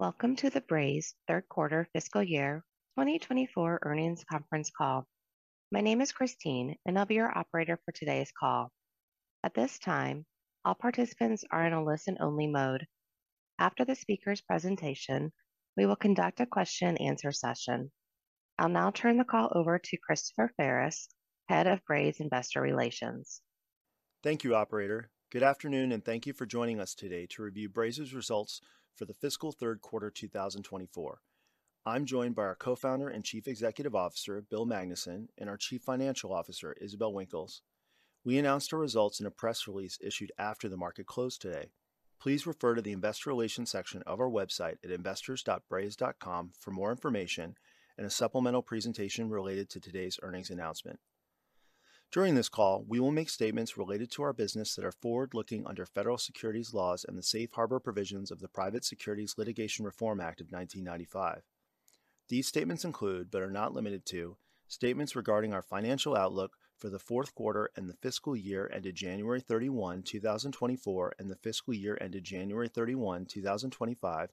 Welcome to the Braze third quarter fiscal year 2024 earnings conference call. My name is Christine, and I'll be your operator for today's call. At this time, all participants are in a listen-only mode. After the speaker's presentation, we will conduct a question and answer session. I'll now turn the call over to Christopher Ferris, Head of Braze Investor Relations. Thank you, operator. Good afternoon, and thank you for joining us today to review Braze's results for the fiscal third quarter, 2024. I'm joined by our Co-founder and Chief Executive Officer, Bill Magnuson, and our Chief Financial Officer, Isabelle Winkles. We announced our results in a press release issued after the market closed today. Please refer to the investor relations section of our website at investors.braze.com for more information and a supplemental presentation related to today's earnings announcement. During this call, we will make statements related to our business that are forward-looking under federal securities laws and the safe harbor provisions of the Private Securities Litigation Reform Act of 1995. These statements include, but are not limited to, statements regarding our financial outlook for the fourth quarter and the fiscal year ended January 31, 2024, and the fiscal year ended January 31, 2025,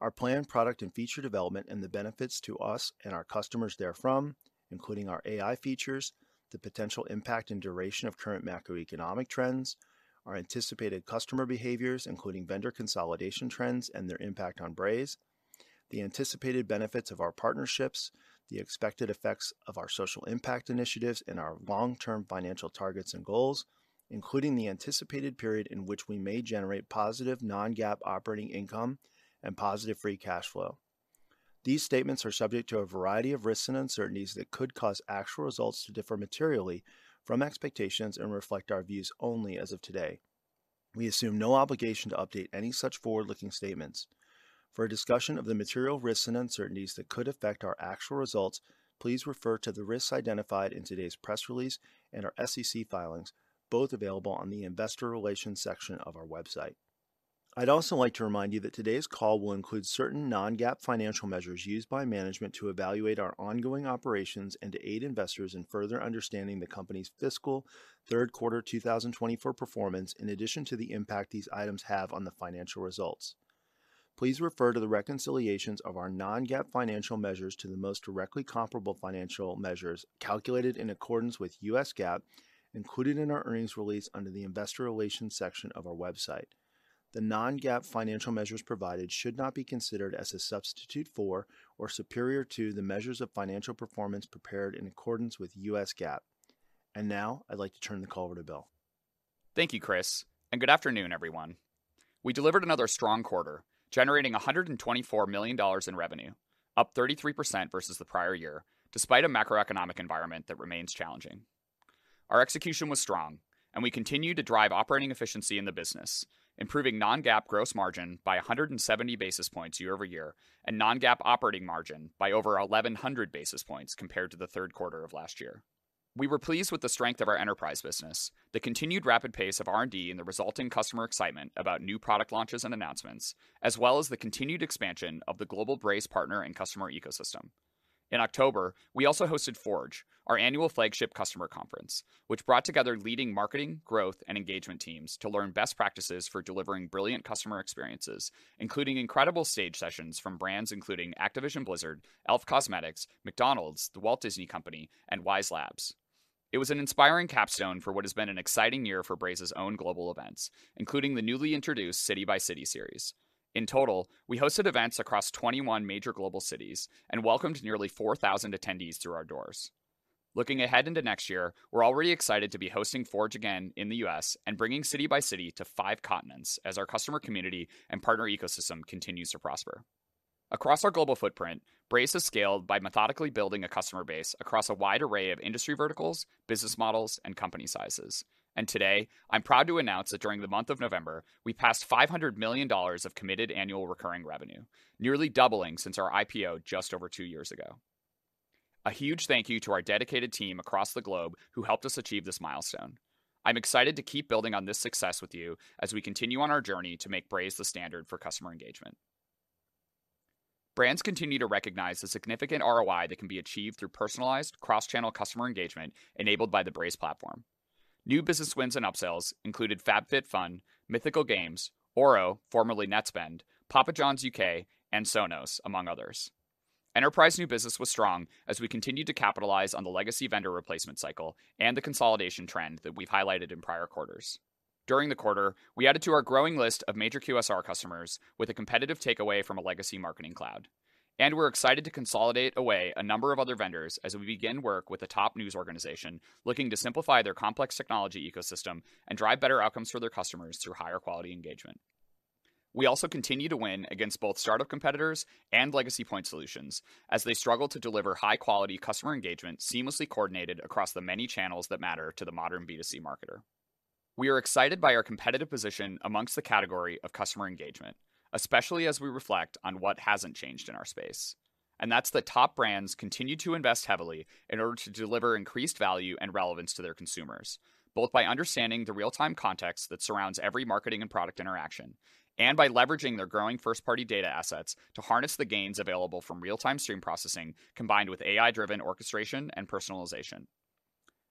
our planned product and feature development and the benefits to us and our customers therefrom, including our AI features, the potential impact and duration of current macroeconomic trends, our anticipated customer behaviors, including vendor consolidation trends and their impact on Braze, the anticipated benefits of our partnerships, the expected effects of our social impact initiatives, and our long-term financial targets and goals, including the anticipated period in which we may generate positive non-GAAP operating income and positive free cash flow. These statements are subject to a variety of risks and uncertainties that could cause actual results to differ materially from expectations and reflect our views only as of today. We assume no obligation to update any such forward-looking statements. For a discussion of the material risks and uncertainties that could affect our actual results, please refer to the risks identified in today's press release and our SEC filings, both available on the investor relations section of our website. I'd also like to remind you that today's call will include certain non-GAAP financial measures used by management to evaluate our ongoing operations and to aid investors in further understanding the company's fiscal third quarter 2024 performance, in addition to the impact these items have on the financial results. Please refer to the reconciliations of our non-GAAP financial measures to the most directly comparable financial measures, calculated in accordance with U.S. GAAP, included in our earnings release under the investor relations section of our website. The non-GAAP financial measures provided should not be considered as a substitute for or superior to the measures of financial performance prepared in accordance with U.S. GAAP. And now, I'd like to turn the call over to Bill. Thank you, Chris, and good afternoon, everyone. We delivered another strong quarter, generating $124 million in revenue, up 33% versus the prior year, despite a macroeconomic environment that remains challenging. Our execution was strong, and we continued to drive operating efficiency in the business, improving non-GAAP gross margin by 170 basis points year-over-year, and non-GAAP operating margin by over 1,100 basis points compared to the third quarter of last year. We were pleased with the strength of our enterprise business, the continued rapid pace of R&D, and the resulting customer excitement about new product launches and announcements, as well as the continued expansion of the global Braze partner and customer ecosystem. In October, we also hosted Forge, our annual flagship customer conference, which brought together leading marketing, growth, and engagement teams to learn best practices for delivering brilliant customer experiences, including incredible stage sessions from brands including Activision Blizzard, e.l.f. Cosmetics, McDonald's, The Walt Disney Company, and Wyze Labs. It was an inspiring capstone for what has been an exciting year for Braze's own global events, including the newly introduced City x City series. In total, we hosted events across 21 major global cities and welcomed nearly 4,000 attendees through our doors. Looking ahead into next year, we're already excited to be hosting Forge again in the U.S. and bringing City x City to five continents as our customer, community, and partner ecosystem continues to prosper. Across our global footprint, Braze has scaled by methodically building a customer base across a wide array of industry verticals, business models, and company sizes. Today, I'm proud to announce that during the month of November, we passed $500 million of committed annual recurring revenue, nearly doubling since our IPO just over two years ago. A huge thank you to our dedicated team across the globe who helped us achieve this milestone. I'm excited to keep building on this success with you as we continue on our journey to make Braze the standard for customer engagement. Brands continue to recognize the significant ROI that can be achieved through personalized, cross-channel customer engagement enabled by the Braze platform. New business wins and upsells included FabFitFun, Mythical Games, Ouro, formerly Netspend, Papa John's UK, and Sonos, among others. Enterprise new business was strong as we continued to capitalize on the legacy vendor replacement cycle and the consolidation trend that we've highlighted in prior quarters. During the quarter, we added to our growing list of major QSR customers with a competitive takeaway from a legacy marketing cloud, and we're excited to consolidate away a number of other vendors as we begin work with a top news organization looking to simplify their complex technology ecosystem and drive better outcomes for their customers through higher quality engagement. We also continue to win against both startup competitors and legacy point solutions as they struggle to deliver high-quality customer engagement, seamlessly coordinated across the many channels that matter to the modern B2C marketer. We are excited by our competitive position amongst the category of customer engagement, especially as we reflect on what hasn't changed in our space. That’s why top brands continue to invest heavily in order to deliver increased value and relevance to their consumers, both by understanding the real-time context that surrounds every marketing and product interaction and by leveraging their growing first-party data assets to harness the gains available from real-time stream processing, combined with AI-driven orchestration and personalization.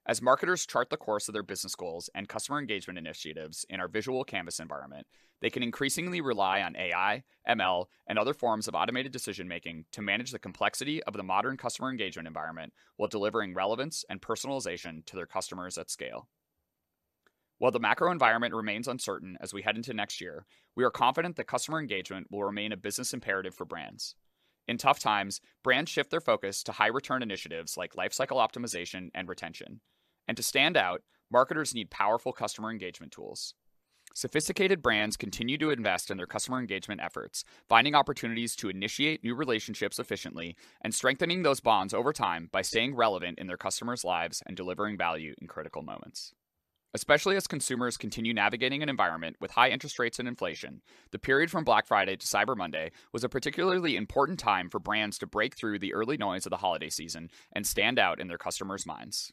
As marketers chart the course of their business goals and customer engagement initiatives in our visual Canvas environment, they can increasingly rely on AI, ML, and other forms of automated decision-making to manage the complexity of the modern customer engagement environment, while delivering relevance and personalization to their customers at scale. While the macro environment remains uncertain as we head into next year, we are confident that customer engagement will remain a business imperative for brands. In tough times, brands shift their focus to high-return initiatives like lifecycle optimization and retention, and to stand out, marketers need powerful customer engagement tools. Sophisticated brands continue to invest in their customer engagement efforts, finding opportunities to initiate new relationships efficiently and strengthening those bonds over time by staying relevant in their customers' lives and delivering value in critical moments. Especially as consumers continue navigating an environment with high interest rates and inflation, the period from Black Friday to Cyber Monday was a particularly important time for brands to break through the early noise of the holiday season and stand out in their customers' minds.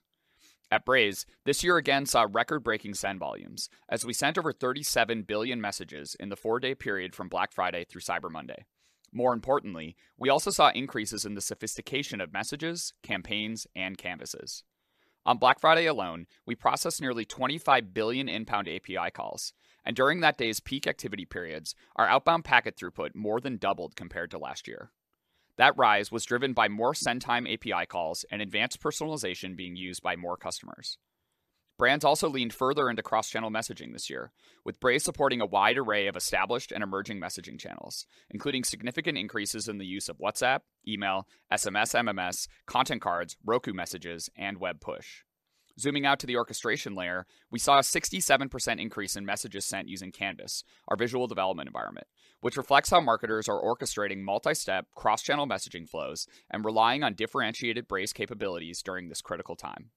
At Braze, this year again saw record-breaking send volumes, as we sent over 37 billion messages in the four-day period from Black Friday through Cyber Monday. More importantly, we also saw increases in the sophistication of Messages, Campaigns, and Canvases. On Black Friday alone, we processed nearly 25 billion inbound API calls, and during that day's peak activity periods, our outbound packet throughput more than doubled compared to last year. That rise was driven by more send time API calls and advanced personalization being used by more customers. Brands also leaned further into cross-channel messaging this year, with Braze supporting a wide array of established and emerging messaging channels, including significant increases in the use of WhatsApp, email, SMS, MMS, Content Cards, Roku messages, and web push. Zooming out to the orchestration layer, we saw a 67% increase in messages sent using Canvas, our visual development environment, which reflects how marketers are orchestrating multi-step, cross-channel messaging flows and relying on differentiated Braze capabilities during this critical time.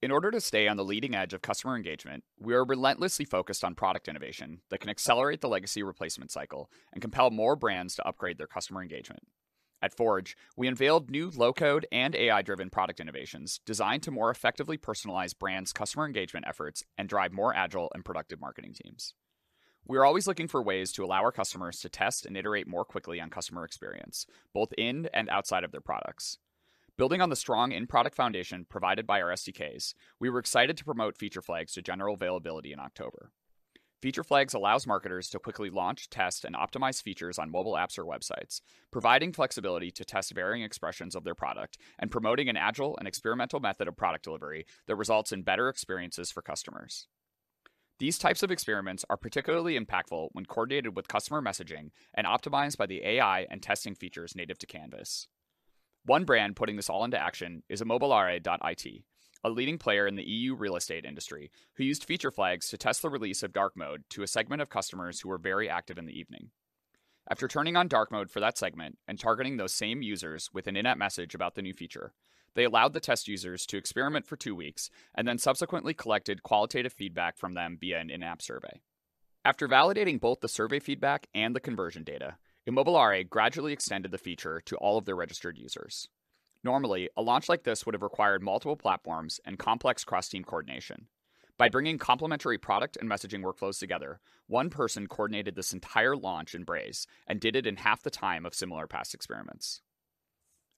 In order to stay on the leading edge of customer engagement, we are relentlessly focused on product innovation that can accelerate the legacy replacement cycle and compel more brands to upgrade their customer engagement. At Forge, we unveiled new low-code and AI-driven product innovations designed to more effectively personalize brands' customer engagement efforts and drive more agile and productive marketing teams. We are always looking for ways to allow our customers to test and iterate more quickly on customer experience, both in and outside of their products. Building on the strong in-product foundation provided by our SDKs, we were excited to promote Feature Flags to general availability in October. Feature Flags allows marketers to quickly launch, test, and optimize features on mobile apps or websites, providing flexibility to test varying expressions of their product and promoting an agile and experimental method of product delivery that results in better experiences for customers. These types of experiments are particularly impactful when coordinated with customer messaging and optimized by the AI and testing features native to Canvas. One brand putting this all into action is Immobiliare.it, a leading player in the EU real estate industry, who used Feature Flags to test the release of dark mode to a segment of customers who were very active in the evening. After turning on dark mode for that segment and targeting those same users with an in-app message about the new feature, they allowed the test users to experiment for two weeks and then subsequently collected qualitative feedback from them via an in-app survey. After validating both the survey feedback and the conversion data, Immobiliare gradually extended the feature to all of their registered users. Normally, a launch like this would have required multiple platforms and complex cross-team coordination. By bringing complementary product and messaging workflows together, one person coordinated this entire launch in Braze and did it in half the time of similar past experiments.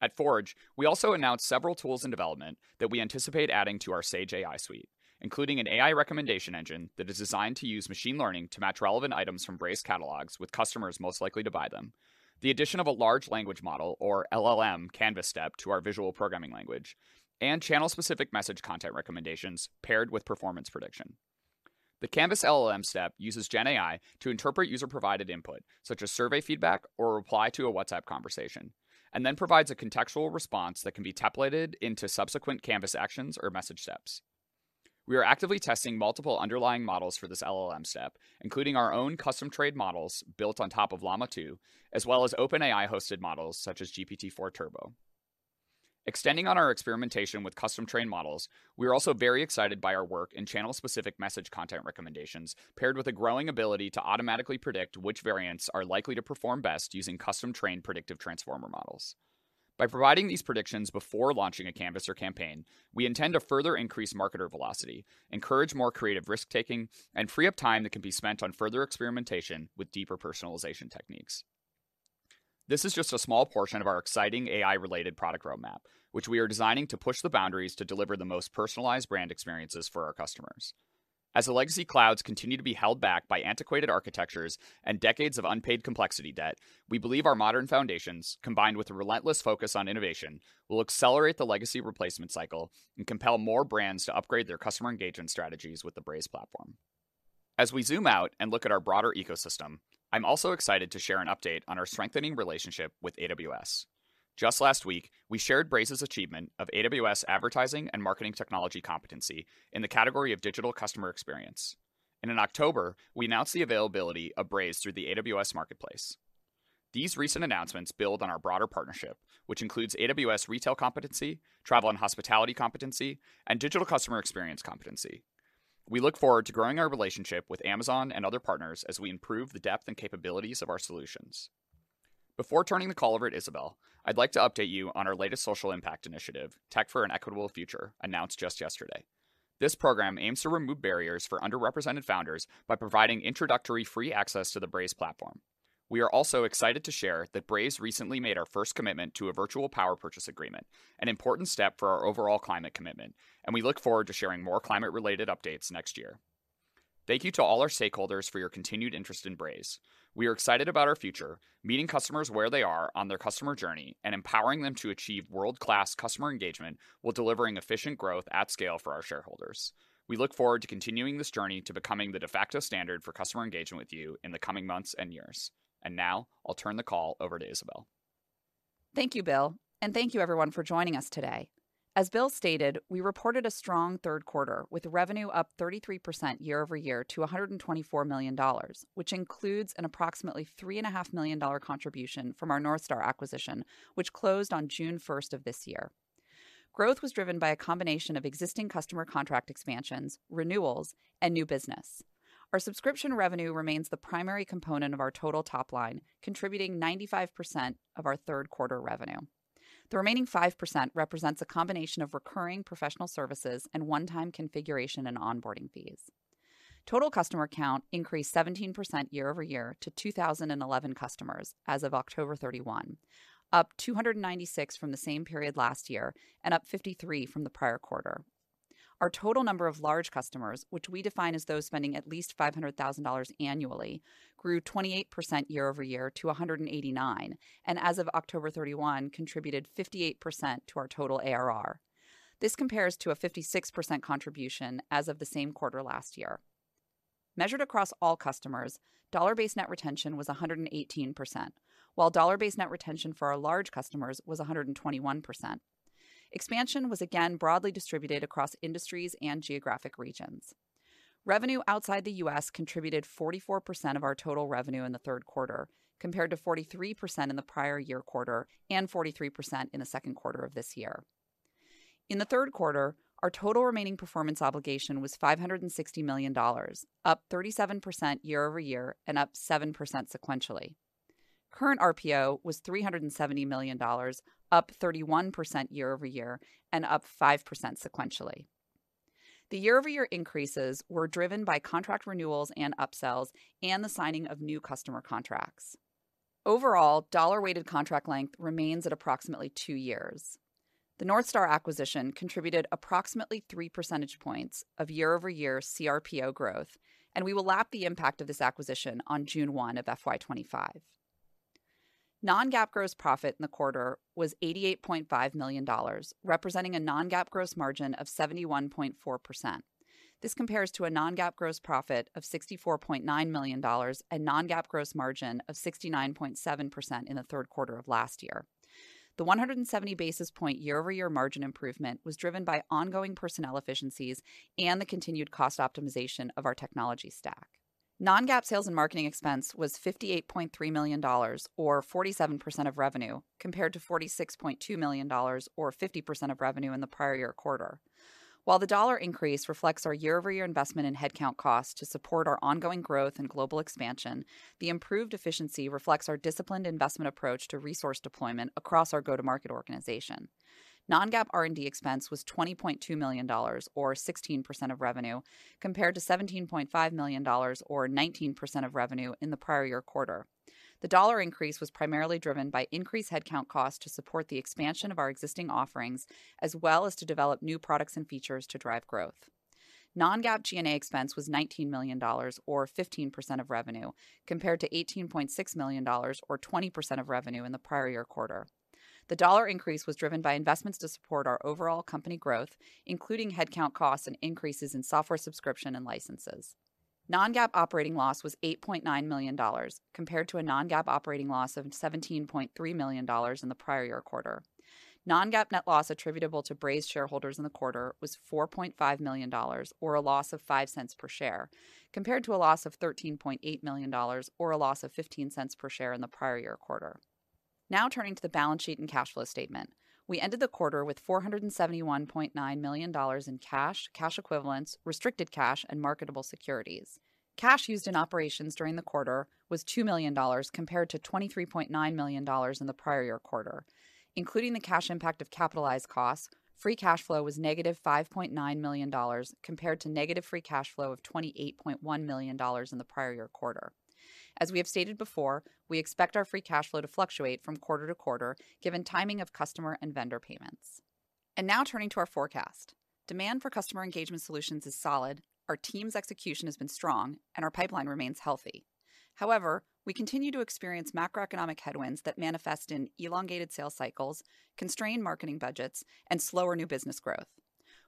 At Forge, we also announced several tools in development that we anticipate adding to our Sage AI suite, including an AI recommendation engine that is designed to use machine learning to match relevant items from Braze Catalogs with customers most likely to buy them, the addition of a large language model or LLM Canvas step to our visual programming language, and channel-specific message content recommendations paired with performance prediction. The Canvas LLM step uses GenAI to interpret user-provided input, such as survey feedback or reply to a WhatsApp conversation, and then provides a contextual response that can be templated into subsequent Canvas actions or message steps. We are actively testing multiple underlying models for this LLM step, including our own custom trained models built on top of Llama 2, as well as OpenAI-hosted models, such as GPT-4 Turbo. Extending on our experimentation with custom-trained models, we are also very excited by our work in channel-specific message content recommendations, paired with a growing ability to automatically predict which variants are likely to perform best using custom-trained predictive transformer models. By providing these predictions before launching a Canvas or campaign, we intend to further increase marketer velocity, encourage more creative risk-taking, and free up time that can be spent on further experimentation with deeper personalization techniques. This is just a small portion of our exciting AI-related product roadmap, which we are designing to push the boundaries to deliver the most personalized brand experiences for our customers. As the legacy clouds continue to be held back by antiquated architectures and decades of unpaid complexity debt, we believe our modern foundations, combined with a relentless focus on innovation, will accelerate the legacy replacement cycle and compel more brands to upgrade their customer engagement strategies with the Braze platform. As we zoom out and look at our broader ecosystem, I'm also excited to share an update on our strengthening relationship with AWS. Just last week, we shared Braze's achievement of AWS Advertising and Marketing Technology Competency in the category of Digital Customer Experience, and in October, we announced the availability of Braze through the AWS Marketplace. These recent announcements build on our broader partnership, which includes AWS Retail Competency, Travel and Hospitality Competency, and Digital Customer Experience Competency. We look forward to growing our relationship with Amazon and other partners as we improve the depth and capabilities of our solutions. Before turning the call over to Isabelle, I'd like to update you on our latest social impact initiative, Tech for an Equitable Future, announced just yesterday. This program aims to remove barriers for underrepresented founders by providing introductory free access to the Braze platform.... We are also excited to share that Braze recently made our first commitment to a virtual power purchase agreement, an important step for our overall climate commitment, and we look forward to sharing more climate-related updates next year. Thank you to all our stakeholders for your continued interest in Braze. We are excited about our future, meeting customers where they are on their customer journey, and empowering them to achieve world-class customer engagement while delivering efficient growth at scale for our shareholders. We look forward to continuing this journey to becoming the de facto standard for customer engagement with you in the coming months and years. Now I'll turn the call over to Isabelle. Thank you, Bill, and thank you everyone for joining us today. As Bill stated, we reported a strong third quarter, with revenue up 33% year-over-year to $124 million, which includes an approximately $3.5 million contribution from our North Star acquisition, which closed on June 1 of this year. Growth was driven by a combination of existing customer contract expansions, renewals, and new business. Our subscription revenue remains the primary component of our total top line, contributing 95% of our third quarter revenue. The remaining 5% represents a combination of recurring professional services and one-time configuration and onboarding fees. Total customer count increased 17% year-over-year to 2,011 customers as of October 31, up 296 from the same period last year and up 53 from the prior quarter. Our total number of large customers, which we define as those spending at least $500,000 annually, grew 28% year-over-year to 189, and as of October 31, contributed 58% to our total ARR. This compares to a 56% contribution as of the same quarter last year. Measured across all customers, dollar-based net retention was 118%, while dollar-based net retention for our large customers was 121%. Expansion was again broadly distributed across industries and geographic regions. Revenue outside the U.S. contributed 44% of our total revenue in the third quarter, compared to 43% in the prior year quarter and 43% in the second quarter of this year. In the third quarter, our total remaining performance obligation was $560 million, up 37% year-over-year and up 7% sequentially. Current RPO was $370 million, up 31% year-over-year and up 5% sequentially. The year-over-year increases were driven by contract renewals and upsells and the signing of new customer contracts. Overall, dollar-weighted contract length remains at approximately two years. The North Star acquisition contributed approximately three percentage points of year-over-year CRPO growth, and we will lap the impact of this acquisition on June 1 of FY 2025. Non-GAAP gross profit in the quarter was $88.5 million, representing a non-GAAP gross margin of 71.4%. This compares to a non-GAAP gross profit of $64.9 million and non-GAAP gross margin of 69.7% in the third quarter of last year. The 170 basis point year-over-year margin improvement was driven by ongoing personnel efficiencies and the continued cost optimization of our technology stack. Non-GAAP sales and marketing expense was $58.3 million, or 47% of revenue, compared to $46.2 million, or 50% of revenue in the prior year quarter. While the dollar increase reflects our year-over-year investment in headcount costs to support our ongoing growth and global expansion, the improved efficiency reflects our disciplined investment approach to resource deployment across our go-to-market organization. Non-GAAP R&D expense was $20.2 million, or 16% of revenue, compared to $17.5 million, or 19% of revenue, in the prior year quarter. The dollar increase was primarily driven by increased headcount costs to support the expansion of our existing offerings, as well as to develop new products and features to drive growth. Non-GAAP G&A expense was $19 million, or 15% of revenue, compared to $18.6 million, or 20% of revenue, in the prior year quarter. The dollar increase was driven by investments to support our overall company growth, including headcount costs and increases in software subscription and licenses. Non-GAAP operating loss was $8.9 million, compared to a non-GAAP operating loss of $17.3 million in the prior year quarter. Non-GAAP net loss attributable to Braze shareholders in the quarter was $4.5 million, or a loss of $0.05 per share, compared to a loss of $13.8 million, or a loss of $0.15 per share in the prior year quarter. Now turning to the balance sheet and cash flow statement. We ended the quarter with $471.9 million in cash, cash equivalents, restricted cash, and marketable securities. Cash used in operations during the quarter was $2 million, compared to $23.9 million in the prior year quarter. Including the cash impact of capitalized costs, free cash flow was -$5.9 million, compared to negative free cash flow of $28.1 million in the prior year quarter. As we have stated before, we expect our free cash flow to fluctuate from quarter to quarter, given timing of customer and vendor payments. Now turning to our forecast. Demand for customer engagement solutions is solid, our team's execution has been strong, and our pipeline remains healthy. However, we continue to experience macroeconomic headwinds that manifest in elongated sales cycles, constrained marketing budgets, and slower new business growth.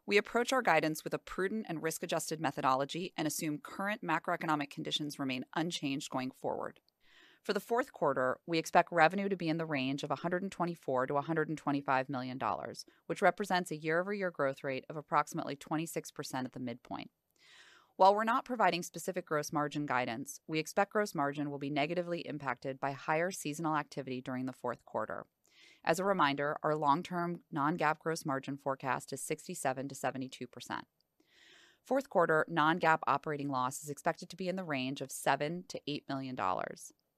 We approach our guidance with a prudent and risk-adjusted methodology and assume current macroeconomic conditions remain unchanged going forward. For the fourth quarter, we expect revenue to be in the range of $124 million to $125 million, which represents a year-over-year growth rate of approximately 26% at the midpoint. While we're not providing specific gross margin guidance, we expect gross margin will be negatively impacted by higher seasonal activity during the fourth quarter. As a reminder, our long-term non-GAAP gross margin forecast is 67% to 72%. Fourth quarter non-GAAP operating loss is expected to be in the range of $7 million to $8 million.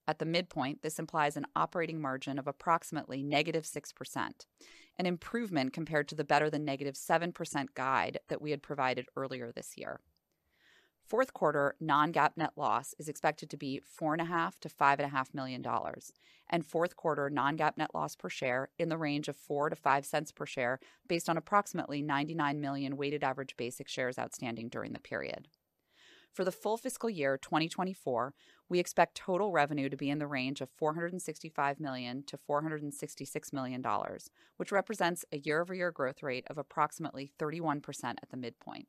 At the midpoint, this implies an operating margin of approximately -6%, an improvement compared to the better than -7% guide that we had provided earlier this year.... Fourth quarter non-GAAP net loss is expected to be $4.5 million to $5.5 million, and fourth quarter non-GAAP net loss per share in the range of 4 cents to 5 cents per share, based on approximately 99 million weighted average basic shares outstanding during the period. For the full fiscal year 2024, we expect total revenue to be in the range of $465 million to $466 million, which represents a year-over-year growth rate of approximately 31% at the midpoint.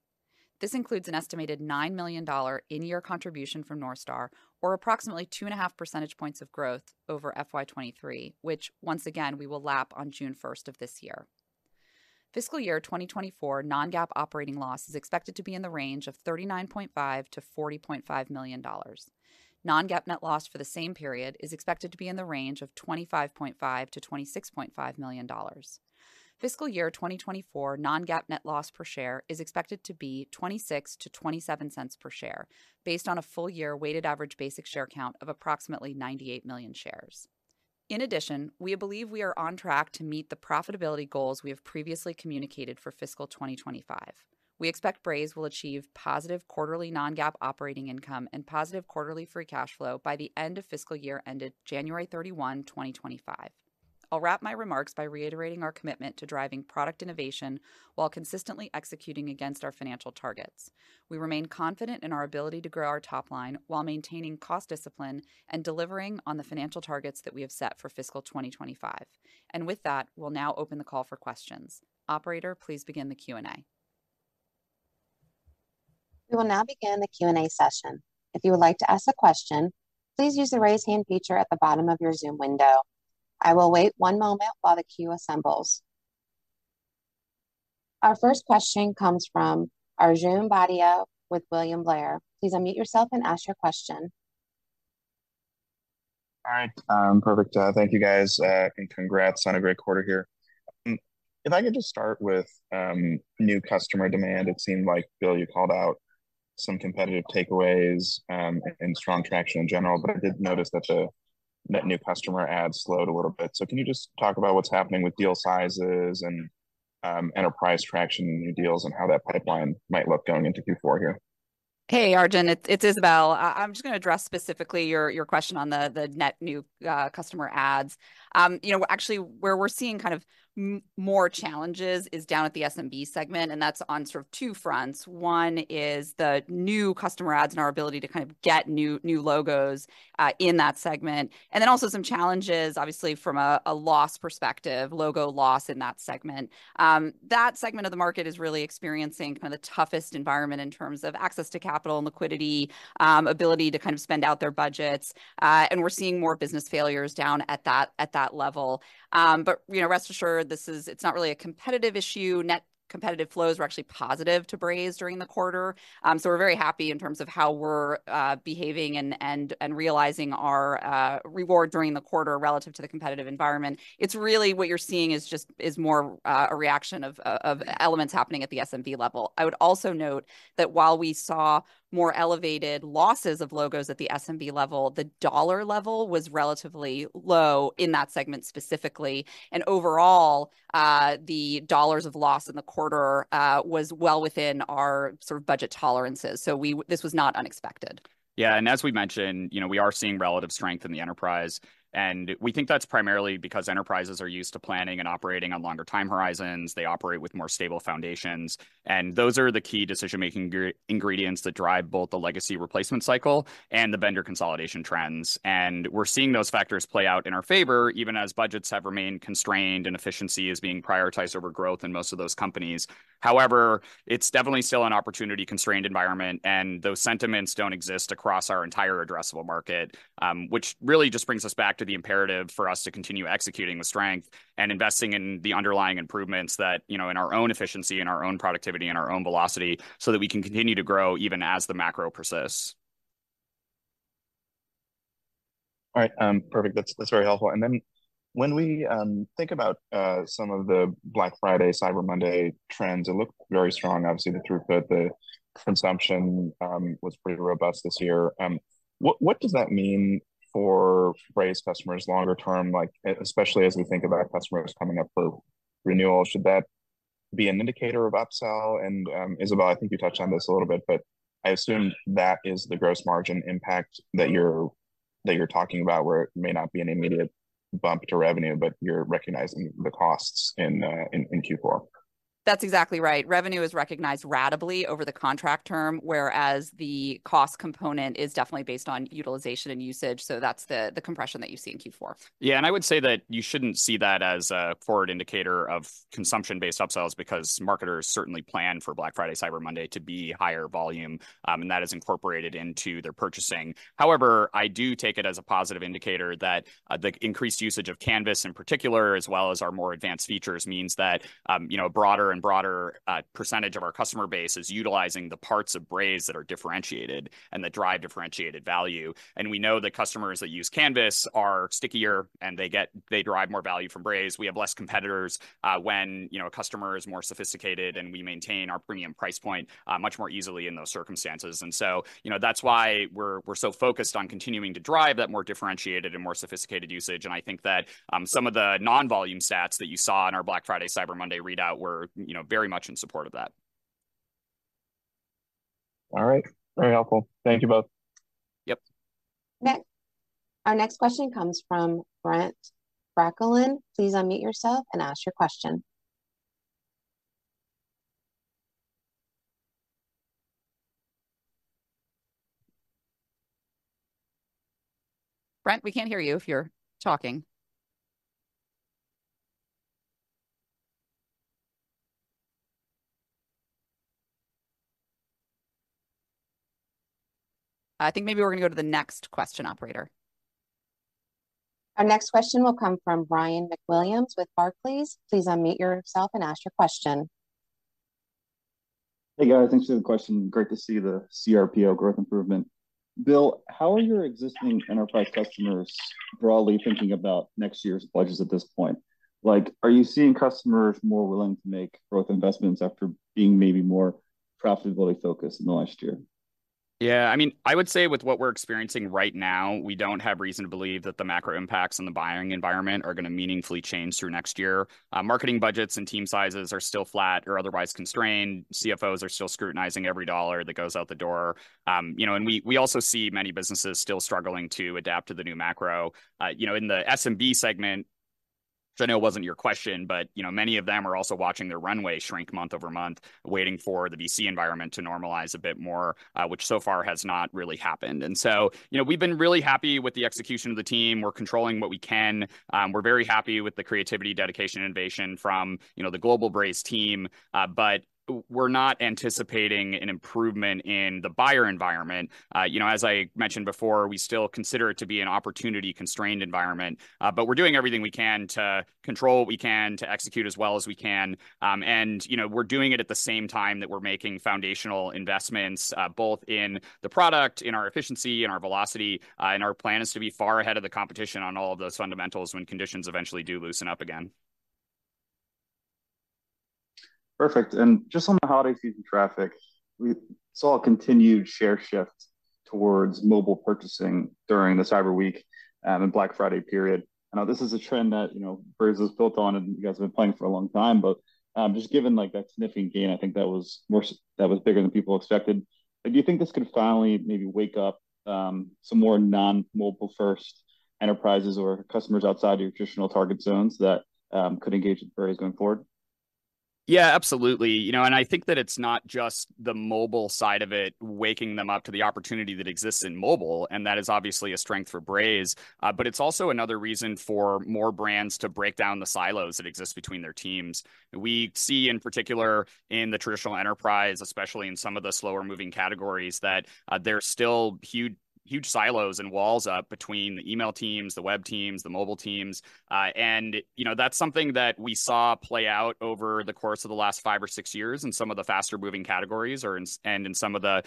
This includes an estimated $9 million in-year contribution from North Star, or approximately 2.5 percentage points of growth over FY 2023, which once again, we will lap on June 1 of this year. Fiscal year 2024 non-GAAP operating loss is expected to be in the range of $39.5 million to $40.5 million. Non-GAAP net loss for the same period is expected to be in the range of $25.5 million to $26.5 million. Fiscal year 2024 non-GAAP net loss per share is expected to be $0.26 to $0.27 per share, based on a full-year weighted average basic share count of approximately 98 million shares. In addition, we believe we are on track to meet the profitability goals we have previously communicated for fiscal 2025. We expect Braze will achieve positive quarterly non-GAAP operating income and positive quarterly free cash flow by the end of fiscal year ended January 31, 2025. I'll wrap my remarks by reiterating our commitment to driving product innovation while consistently executing against our financial targets. We remain confident in our ability to grow our top line while maintaining cost discipline and delivering on the financial targets that we have set for fiscal 2025. And with that, we'll now open the call for questions. Operator, please begin the Q&A. We will now begin the Q&A session. If you would like to ask a question, please use the Raise Hand feature at the bottom of your Zoom window. I will wait one moment while the queue assembles. Our first question comes from Arjun Bhatia with William Blair. Please unmute yourself and ask your question. All right, perfect. Thank you, guys, and congrats on a great quarter here. If I could just start with new customer demand, it seemed like, Bill, you called out some competitive takeaways, and strong traction in general. But I did notice that the net new customer adds slowed a little bit. So can you just talk about what's happening with deal sizes and enterprise traction, new deals, and how that pipeline might look going into Q4 here? Hey, Arjun, it's, it's Isabelle. I'm just gonna address specifically your question on the net new customer adds. You know, actually, where we're seeing kind of more challenges is down at the SMB segment, and that's on sort of two fronts. One is the new customer adds and our ability to kind of get new logos in that segment, and then also some challenges, obviously, from a loss perspective, logo loss in that segment. That segment of the market is really experiencing kind of the toughest environment in terms of access to capital and liquidity, ability to kind of spend out their budgets, and we're seeing more business failures down at that level. But, you know, rest assured, this is, it's not really a competitive issue. Net competitive flows were actually positive to Braze during the quarter. So we're very happy in terms of how we're behaving and realizing our reward during the quarter relative to the competitive environment. It's really what you're seeing is just more a reaction of elements happening at the SMB level. I would also note that while we saw more elevated losses of logos at the SMB level, the dollar level was relatively low in that segment specifically. And overall, the dollars of loss in the quarter was well within our sort of budget tolerances, so we... This was not unexpected. Yeah, and as we mentioned, you know, we are seeing relative strength in the enterprise, and we think that's primarily because enterprises are used to planning and operating on longer time horizons. They operate with more stable foundations, and those are the key decision-making ingredients that drive both the legacy replacement cycle and the vendor consolidation trends. And we're seeing those factors play out in our favor, even as budgets have remained constrained and efficiency is being prioritized over growth in most of those companies. However, it's definitely still an opportunity-constrained environment, and those sentiments don't exist across our entire addressable market. which really just brings us back to the imperative for us to continue executing with strength and investing in the underlying improvements that, you know, in our own efficiency and our own productivity and our own velocity, so that we can continue to grow even as the macro persists. All right, perfect. That's, that's very helpful. And then when we think about some of the Black Friday, Cyber Monday trends, it looked very strong. Obviously, the throughput, the consumption was pretty robust this year. What, what does that mean for Braze customers longer term? Like, especially as we think about customers coming up for renewal, should that be an indicator of upsell? And, Isabelle, I think you touched on this a little bit, but I assume that is the gross margin impact that you're, that you're talking about, where it may not be an immediate bump to revenue, but you're recognizing the costs in, in, in Q4. That's exactly right. Revenue is recognized ratably over the contract term, whereas the cost component is definitely based on utilization and usage. So that's the compression that you see in Q4. Yeah, and I would say that you shouldn't see that as a forward indicator of consumption-based upsells, because marketers certainly plan for Black Friday, Cyber Monday to be higher volume, and that is incorporated into their purchasing. However, I do take it as a positive indicator that the increased usage of Canvas in particular, as well as our more advanced features, means that you know, a broader and broader percentage of our customer base is utilizing the parts of Braze that are differentiated and that drive differentiated value. And we know that customers that use Canvas are stickier, and they derive more value from Braze. We have less competitors when you know, a customer is more sophisticated, and we maintain our premium price point much more easily in those circumstances. So, you know, that's why we're so focused on continuing to drive that more differentiated and more sophisticated usage. And I think that some of the non-volume stats that you saw in our Black Friday, Cyber Monday readout were, you know, very much in support of that.... All right, very helpful. Thank you both. Yep. Next. Our next question comes from Brent Bracelin. Please unmute yourself and ask your question. Brent, we can't hear you if you're talking. I think maybe we're gonna go to the next question, operator. Our next question will come from Ryan MacWilliams with Barclays. Please unmute yourself and ask your question. Hey, guys, thanks for the question. Great to see the CRPO growth improvement. Bill, how are your existing enterprise customers broadly thinking about next year's budgets at this point? Like, are you seeing customers more willing to make growth investments after being maybe more profitability focused in the last year? Yeah, I mean, I would say with what we're experiencing right now, we don't have reason to believe that the macro impacts on the buying environment are gonna meaningfully change through next year. Marketing budgets and team sizes are still flat or otherwise constrained. CFOs are still scrutinizing every dollar that goes out the door. You know, and we also see many businesses still struggling to adapt to the new macro. You know, in the SMB segment, which I know wasn't your question, but, you know, many of them are also watching their runway shrink month over month, waiting for the VC environment to normalize a bit more, which so far has not really happened. And so, you know, we've been really happy with the execution of the team. We're controlling what we can. We're very happy with the creativity, dedication, innovation from, you know, the global Braze team. But we're not anticipating an improvement in the buyer environment. You know, as I mentioned before, we still consider it to be an opportunity-constrained environment, but we're doing everything we can to control what we can, to execute as well as we can. And, you know, we're doing it at the same time that we're making foundational investments, both in the product, in our efficiency, in our velocity. And our plan is to be far ahead of the competition on all of those fundamentals when conditions eventually do loosen up again. Perfect. And just on the holiday season traffic, we saw a continued share shift towards mobile purchasing during the Cyber Week and Black Friday period. I know this is a trend that, you know, Braze was built on, and you guys have been playing for a long time, but just given, like, that significant gain, I think that was bigger than people expected. Do you think this could finally maybe wake up some more non-mobile first enterprises or customers outside your traditional target zones that could engage with Braze going forward? Yeah, absolutely. You know, and I think that it's not just the mobile side of it, waking them up to the opportunity that exists in mobile, and that is obviously a strength for Braze. But it's also another reason for more brands to break down the silos that exist between their teams. We see, in particular, in the traditional enterprise, especially in some of the slower moving categories, that there are still huge, huge silos and walls up between the email teams, the web teams, the mobile teams. And, you know, that's something that we saw play out over the course of the last five or six years in some of the faster moving categories or in some of the,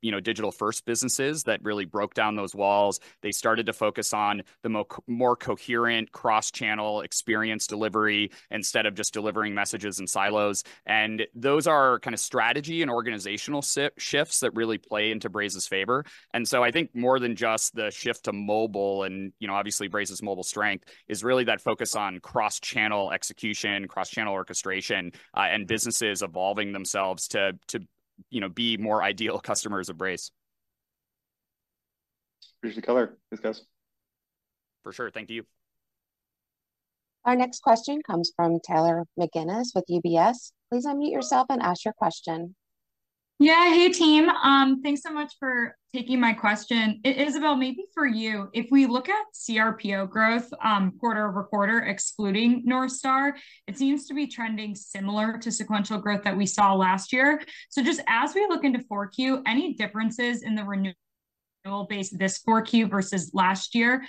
you know, digital first businesses that really broke down those walls. They started to focus on the more coherent cross-channel experience delivery instead of just delivering messages in silos. Those are kind of strategy and organizational shifts that really play into Braze's favor. So I think more than just the shift to mobile, and, you know, obviously, Braze's mobile strength, is really that focus on cross-channel execution, cross-channel orchestration, and businesses evolving themselves to, you know, be more ideal customers of Braze. Appreciate the color. Thanks, guys. For sure. Thank you. Our next question comes from Taylor McGinnis with UBS. Please unmute yourself and ask your question. Yeah. Hey, team. Thanks so much for taking my question. Isabelle, maybe for you, if we look at CRPO growth, quarter over quarter, excluding North Star, it seems to be trending similar to sequential growth that we saw last year. So just as we look into 4Q, any differences in the renewal base this 4Q versus last year?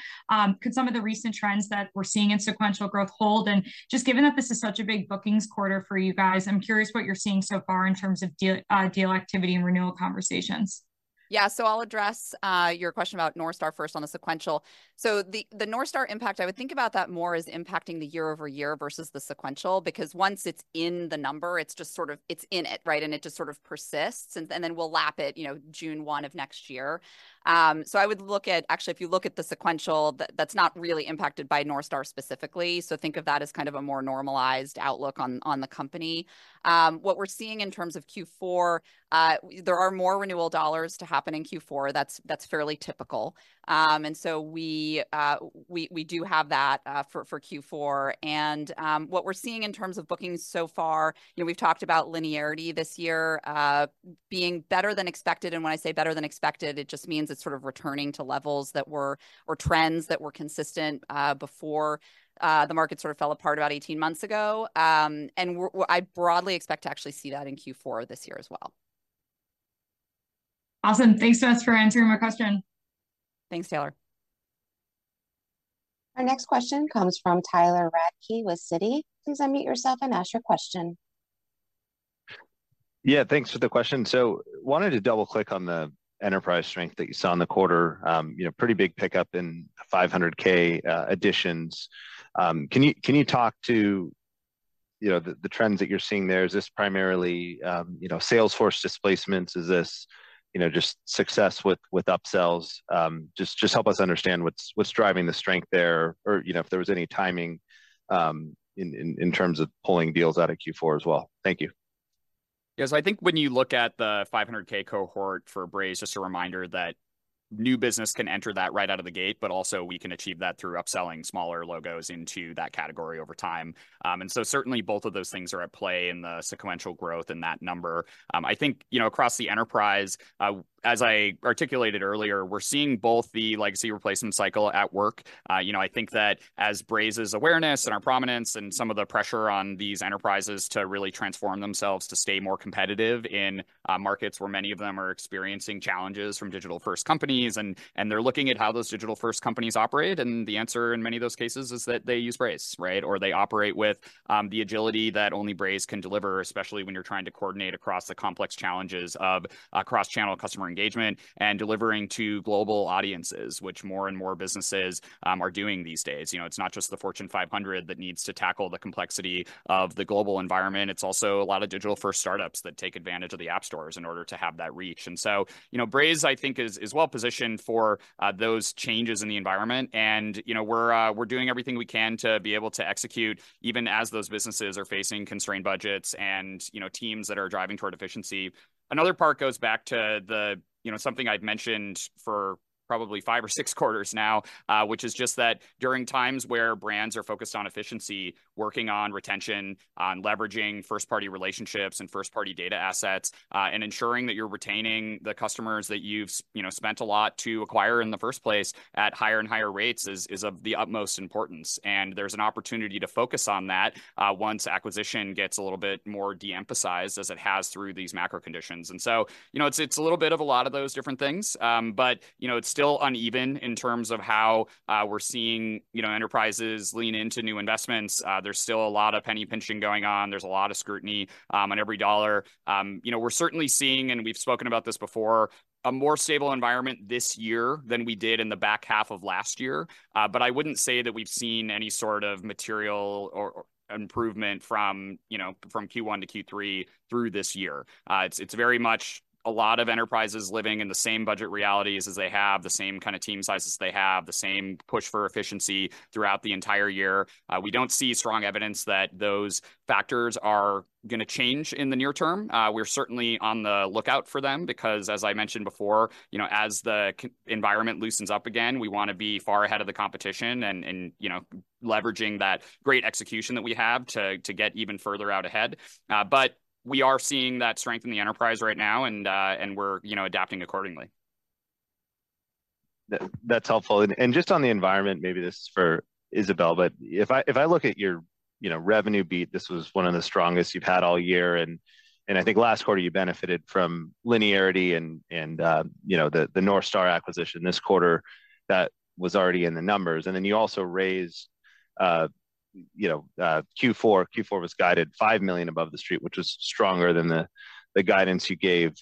Could some of the recent trends that we're seeing in sequential growth hold? And just given that this is such a big bookings quarter for you guys, I'm curious what you're seeing so far in terms of deal activity and renewal conversations. Yeah. So I'll address your question about North Star first on the sequential. So the, the North Star impact, I would think about that more as impacting the year over year versus the sequential, because once it's in the number, it's just sort of... It's in it, right? And it just sort of persists, and, and then we'll lap it, you know, June one of next year. So I would look at- actually, if you look at the sequential, that- that's not really impacted by North Star specifically, so think of that as kind of a more normalized outlook on, on the company. What we're seeing in terms of Q4, there are more renewal dollars to happen in Q4. That's, that's fairly typical. And so we, we, we do have that, for, for Q4. What we're seeing in terms of bookings so far, you know, we've talked about linearity this year, being better than expected, and when I say better than expected, it just means it's sort of returning to levels that were... or trends that were consistent, before, the market sort of fell apart about 18 months ago. I broadly expect to actually see that in Q4 this year as well. Awesome. Thanks, guys, for answering my question. Thanks, Taylor. Our next question comes from Tyler Radke with Citi. Please unmute yourself and ask your question. Yeah, thanks for the question. So wanted to double-click on the enterprise strength that you saw in the quarter. You know, pretty big pickup in 500K additions. Can you talk to, you know, the trends that you're seeing there? Is this primarily, you know, Salesforce displacements? Is this, you know, just success with upsells? Just help us understand what's driving the strength there or, you know, if there was any timing in terms of pulling deals out of Q4 as well. Thank you. ... Yes, I think when you look at the $500K cohort for Braze, just a reminder that new business can enter that right out of the gate, but also we can achieve that through upselling smaller logos into that category over time. And so certainly both of those things are at play in the sequential growth in that number. I think, you know, across the enterprise, as I articulated earlier, we're seeing both the legacy replacement cycle at work. You know, I think that as Braze's awareness and our prominence and some of the pressure on these enterprises to really transform themselves to stay more competitive in markets where many of them are experiencing challenges from digital-first companies, and they're looking at how those digital-first companies operate, and the answer in many of those cases is that they use Braze, right? Or they operate with the agility that only Braze can deliver, especially when you're trying to coordinate across the complex challenges of across channel customer engagement and delivering to global audiences, which more and more businesses are doing these days. You know, it's not just the Fortune 500 that needs to tackle the complexity of the global environment, it's also a lot of digital-first start-ups that take advantage of the app stores in order to have that reach. And so, you know, Braze, I think, is, is well positioned for those changes in the environment. And, you know, we're, we're doing everything we can to be able to execute, even as those businesses are facing constrained budgets and, you know, teams that are driving toward efficiency. Another part goes back to the, you know, something I've mentioned for probably five or six quarters now, which is just that during times where brands are focused on efficiency, working on retention, on leveraging first-party relationships and first-party data assets, and ensuring that you're retaining the customers that you've you know, spent a lot to acquire in the first place at higher and higher rates, is, is of the utmost importance. And there's an opportunity to focus on that, once acquisition gets a little bit more de-emphasized, as it has through these macro conditions. And so, you know, it's, it's a little bit of a lot of those different things. But, you know, it's still uneven in terms of how, we're seeing, you know, enterprises lean into new investments. There's still a lot of penny-pinching going on. There's a lot of scrutiny on every dollar. You know, we're certainly seeing, and we've spoken about this before, a more stable environment this year than we did in the back half of last year. But I wouldn't say that we've seen any sort of material or improvement from, you know, from Q1 to Q3 through this year. It's very much a lot of enterprises living in the same budget realities as they have, the same kind of team sizes as they have, the same push for efficiency throughout the entire year. We don't see strong evidence that those factors are gonna change in the near term. We're certainly on the lookout for them, because, as I mentioned before, you know, as the competitive environment loosens up again, we wanna be far ahead of the competition and, you know, leveraging that great execution that we have to get even further out ahead. But we are seeing that strength in the enterprise right now, and we're, you know, adapting accordingly. That's helpful. And just on the environment, maybe this is for Isabelle, but if I look at your, you know, revenue beat, this was one of the strongest you've had all year, and I think last quarter you benefited from linearity and, you know, the North Star acquisition this quarter that was already in the numbers. And then you also raised, you know, Q4. Q4 was guided $5 million above the street, which was stronger than the guidance you gave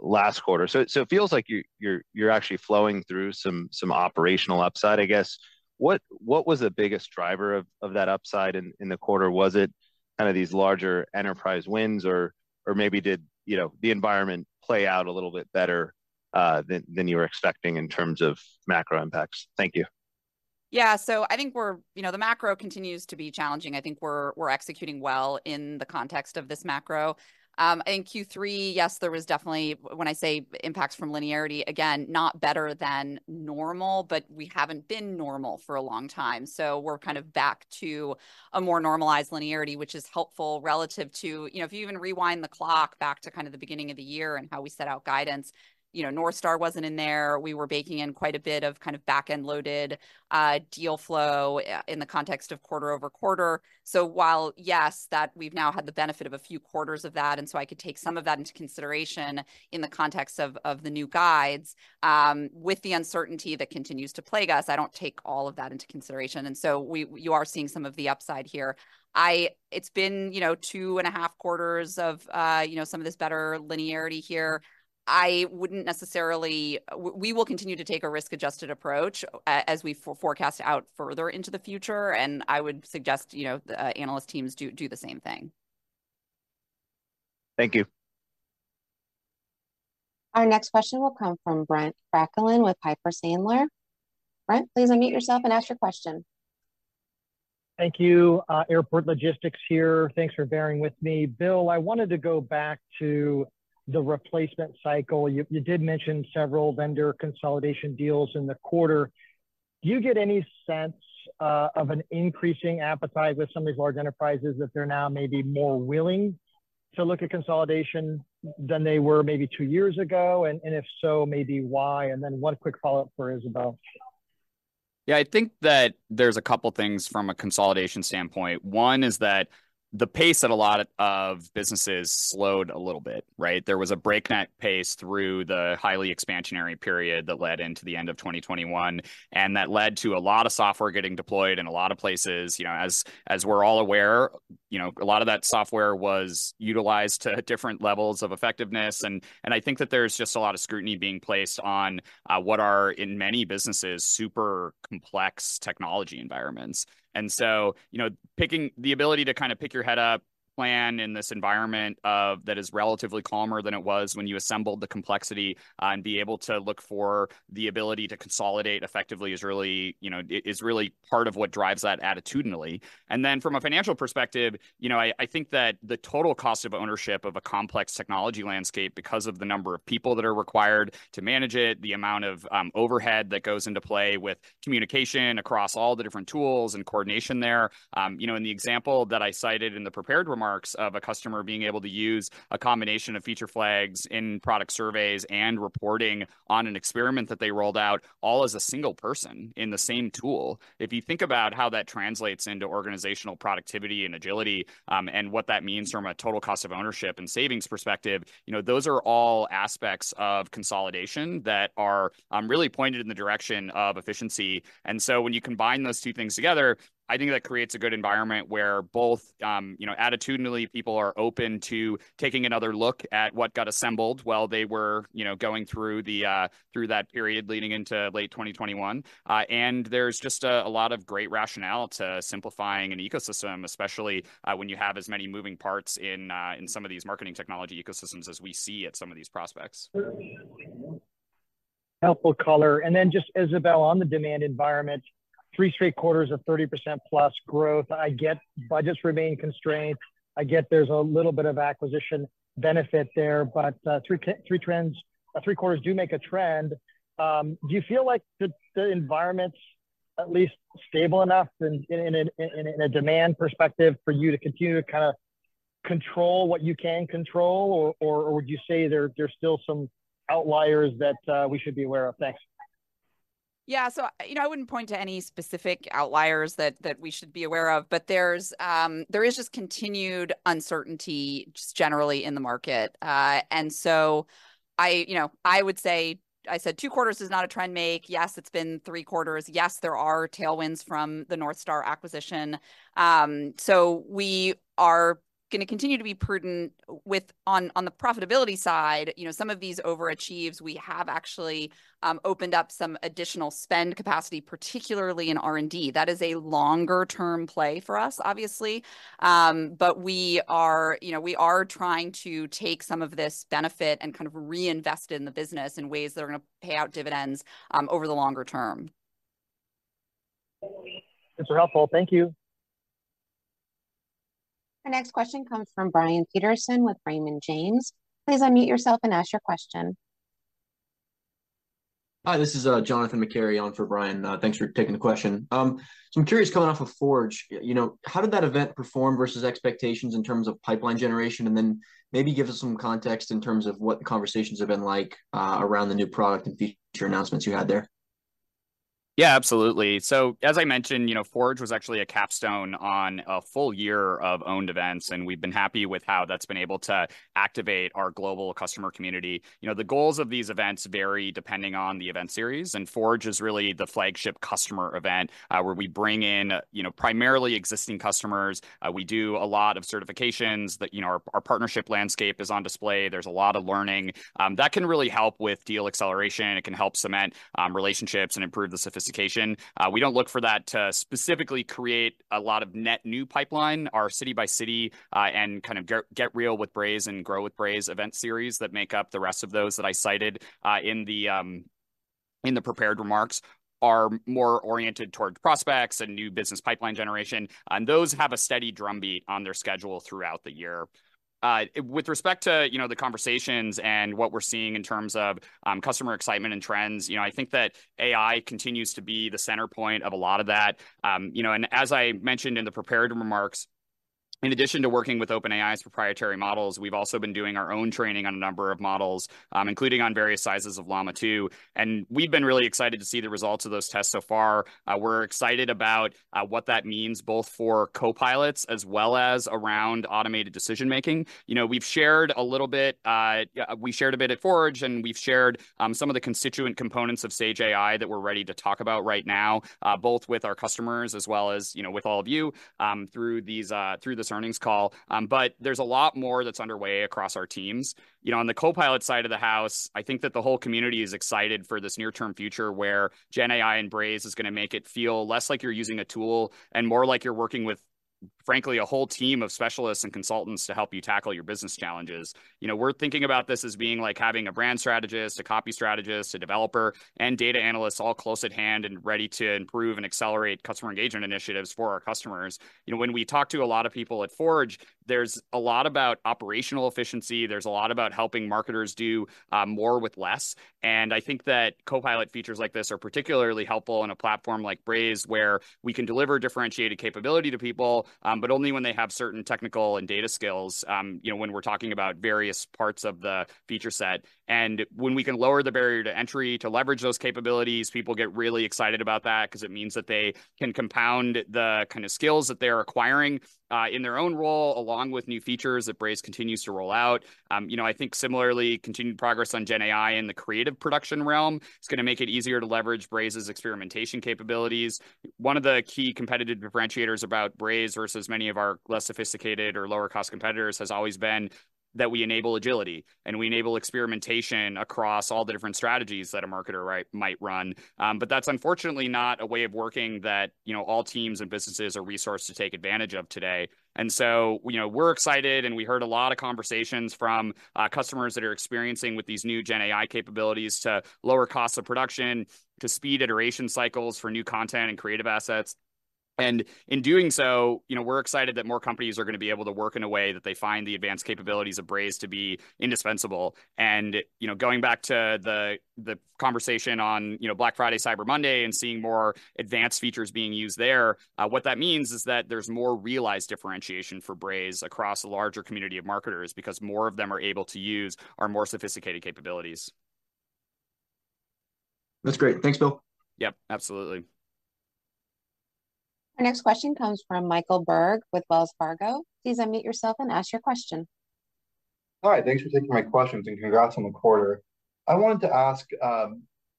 last quarter. So it feels like you're actually flowing through some operational upside, I guess. What was the biggest driver of that upside in the quarter? Was it kind of these larger enterprise wins, or maybe did, you know, the environment play out a little bit better than you were expecting in terms of macro impacts? Thank you. Yeah. So I think we're... You know, the macro continues to be challenging. I think we're, we're executing well in the context of this macro. In Q3, yes, there was definitely, when I say impacts from linearity, again, not better than normal, but we haven't been normal for a long time. So we're kind of back to a more normalized linearity, which is helpful relative to- You know, if you even rewind the clock back to kind of the beginning of the year and how we set out guidance, you know, North Star wasn't in there. We were baking in quite a bit of kind of back-end loaded, deal flow, in the context of quarter-over-quarter. So while, yes, that we've now had the benefit of a few quarters of that, and so I could take some of that into consideration in the context of the new guides, with the uncertainty that continues to plague us, I don't take all of that into consideration, and so you are seeing some of the upside here. It's been, you know, 2.5 quarters of, you know, some of this better linearity here. I wouldn't necessarily... We will continue to take a risk-adjusted approach, as we forecast out further into the future, and I would suggest, you know, the analyst teams do the same thing. Thank you. Our next question will come from Brent Bracelin with Piper Sandler. Brent, please unmute yourself and ask your question. Thank you. Airport Logistics here. Thanks for bearing with me. Bill, I wanted to go back to the replacement cycle. You did mention several vendor consolidation deals in the quarter. Do you get any sense of an increasing appetite with some of these large enterprises that they're now maybe more willing to look at consolidation than they were maybe two years ago? And if so, maybe why? And then one quick follow-up for Isabelle.... Yeah, I think that there's a couple things from a consolidation standpoint. One is that the pace that a lot of businesses slowed a little bit, right? There was a breakneck pace through the highly expansionary period that led into the end of 2021, and that led to a lot of software getting deployed in a lot of places. You know, as we're all aware, you know, a lot of that software was utilized to different levels of effectiveness. And I think that there's just a lot of scrutiny being placed on what are, in many businesses, super complex technology environments. And so, you know, picking the ability to kinda pick your head up, plan in this environment, that is relatively calmer than it was when you assembled the complexity, and be able to look for the ability to consolidate effectively is really, you know, is, is really part of what drives that attitudinally. And then from a financial perspective, you know, I, I think that the total cost of ownership of a complex technology landscape, because of the number of people that are required to manage it, the amount of overhead that goes into play with communication across all the different tools and coordination there. You know, in the example that I cited in the prepared remarks of a customer being able to use a combination of feature flags in product surveys and reporting on an experiment that they rolled out, all as a single person in the same tool. If you think about how that translates into organizational productivity and agility, and what that means from a total cost of ownership and savings perspective, you know, those are all aspects of consolidation that are really pointed in the direction of efficiency. And so, when you combine those two things together, I think that creates a good environment where both, you know, attitudinally, people are open to taking another look at what got assembled while they were, you know, going through the through that period leading into late 2021. There's just a lot of great rationale to simplifying an ecosystem, especially when you have as many moving parts in some of these marketing technology ecosystems as we see at some of these prospects. Helpful color. And then just Isabelle, on the demand environment, three straight quarters of 30% plus growth. I get budgets remain constrained, I get there's a little bit of acquisition benefit there, but three trends, three quarters do make a trend. Do you feel like the environment's at least stable enough in a demand perspective for you to continue to kinda control what you can control? Or would you say there's still some outliers that we should be aware of? Thanks. Yeah. So, you know, I wouldn't point to any specific outliers that we should be aware of. But there's there is just continued uncertainty just generally in the market. And so I, you know, I would say... I said, "Two quarters does not a trend make." Yes, it's been three quarters. Yes, there are tailwinds from the North Star acquisition. So we are gonna continue to be prudent with... On the profitability side, you know, some of these overachieves, we have actually opened up some additional spend capacity, particularly in R&D. That is a longer term play for us, obviously. But we are, you know, we are trying to take some of this benefit and kind of reinvest in the business in ways that are gonna pay out dividends over the longer term. These are helpful. Thank you. Our next question comes from Brian Peterson with Raymond James. Please unmute yourself and ask your question. Hi, this is Jonathan McCary on for Brian. Thanks for taking the question. So I'm curious, coming off of Forge, you know, how did that event perform versus expectations in terms of pipeline generation? And then maybe give us some context in terms of what the conversations have been like around the new product and feature announcements you had there? Yeah, absolutely. So, as I mentioned, you know, Forge was actually a capstone on a full year of owned events, and we've been happy with how that's been able to activate our global customer community. You know, the goals of these events vary depending on the event series, and Forge is really the flagship customer event, where we bring in, you know, primarily existing customers. We do a lot of certifications that, you know, our partnership landscape is on display. There's a lot of learning. That can really help with deal acceleration. It can help cement relationships and improve the sophistication. We don't look for that to specifically create a lot of net new pipeline, or City x City, and kind of Get Real with Braze and Grow with Braze event series that make up the rest of those that I cited in the prepared remarks, are more oriented towards prospects and new business pipeline generation. And those have a steady drumbeat on their schedule throughout the year. With respect to, you know, the conversations and what we're seeing in terms of customer excitement and trends, you know, I think that AI continues to be the center point of a lot of that. You know, and as I mentioned in the prepared remarks, in addition to working with OpenAI's proprietary models, we've also been doing our own training on a number of models, including on various sizes of Llama 2, and we've been really excited to see the results of those tests so far. We're excited about what that means both for copilots as well as around automated decision-making. You know, we've shared a little bit, yeah, we shared a bit at Forge, and we've shared some of the constituent components of Sage AI that we're ready to talk about right now, both with our customers as well as, you know, with all of you, through these, through this earnings call. But there's a lot more that's underway across our teams. You know, on the copilot side of the house, I think that the whole community is excited for this near-term future, where GenAI and Braze is gonna make it feel less like you're using a tool and more like you're working with frankly, a whole team of specialists and consultants to help you tackle your business challenges. You know, we're thinking about this as being like having a brand strategist, a copy strategist, a developer, and data analysts all close at hand and ready to improve and accelerate customer engagement initiatives for our customers. You know, when we talk to a lot of people at Forge, there's a lot about operational efficiency, there's a lot about helping marketers do more with less. I think that copilot features like this are particularly helpful in a platform like Braze, where we can deliver differentiated capability to people, but only when they have certain technical and data skills, you know, when we're talking about various parts of the feature set. When we can lower the barrier to entry to leverage those capabilities, people get really excited about that because it means that they can compound the kind of skills that they're acquiring, in their own role, along with new features that Braze continues to roll out. You know, I think similarly, continued progress on GenAI in the creative production realm is gonna make it easier to leverage Braze's experimentation capabilities. One of the key competitive differentiators about Braze versus many of our less sophisticated or lower-cost competitors, has always been that we enable agility, and we enable experimentation across all the different strategies that a marketer, right, might run. But that's unfortunately not a way of working that, you know, all teams and businesses are resourced to take advantage of today. So, you know, we're excited, and we heard a lot of conversations from customers that are experiencing with these new GenAI capabilities to lower costs of production, to speed iteration cycles for new content and creative assets. And in doing so, you know, we're excited that more companies are gonna be able to work in a way that they find the advanced capabilities of Braze to be indispensable. You know, going back to the, the conversation on, you know, Black Friday, Cyber Monday, and seeing more advanced features being used there, what that means is that there's more realized differentiation for Braze across a larger community of marketers because more of them are able to use our more sophisticated capabilities. That's great. Thanks, Bill. Yep, absolutely. Our next question comes from Michael Berg with Wells Fargo. Please unmute yourself and ask your question. All right. Thanks for taking my questions, and congrats on the quarter. I wanted to ask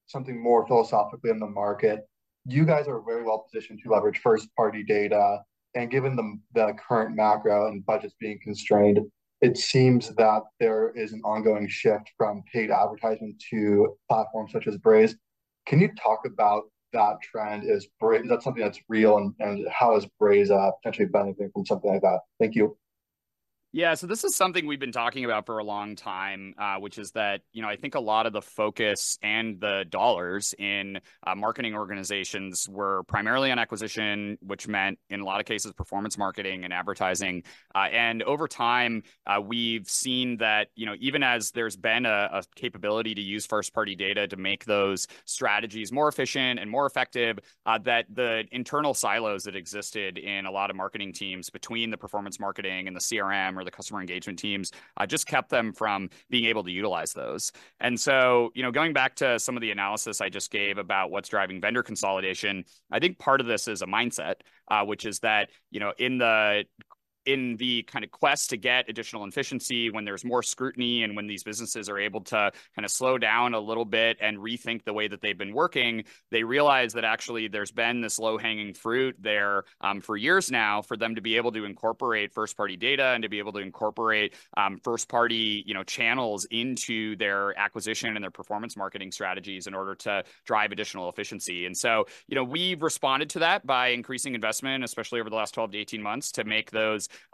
something more philosophically on the market. You guys are very well positioned to leverage first-party data, and given the current macro and budgets being constrained, it seems that there is an ongoing shift from paid advertisement to platforms such as Braze. Can you talk about that trend? Is that something that's real, and how is Braze potentially benefiting from something like that? Thank you. Yeah, so this is something we've been talking about for a long time, which is that, you know, I think a lot of the focus and the dollars in marketing organizations were primarily on acquisition, which meant, in a lot of cases, performance marketing and advertising. And over time, we've seen that, you know, even as there's been a capability to use first-party data to make those strategies more efficient and more effective, that the internal silos that existed in a lot of marketing teams between the performance marketing and the CRM or the customer engagement teams just kept them from being able to utilize those. And so, you know, going back to some of the analysis I just gave about what's driving vendor consolidation, I think part of this is a mindset, which is that, you know, in the kind of quest to get additional efficiency when there's more scrutiny and when these businesses are able to kind of slow down a little bit and rethink the way that they've been working, they realize that actually there's been this low-hanging fruit there for years now, for them to be able to incorporate first-party data and to be able to incorporate first-party, you know, channels into their acquisition and their performance marketing strategies in order to drive additional efficiency. So, you know, we've responded to that by increasing investment, especially over the last 12-18 months, to make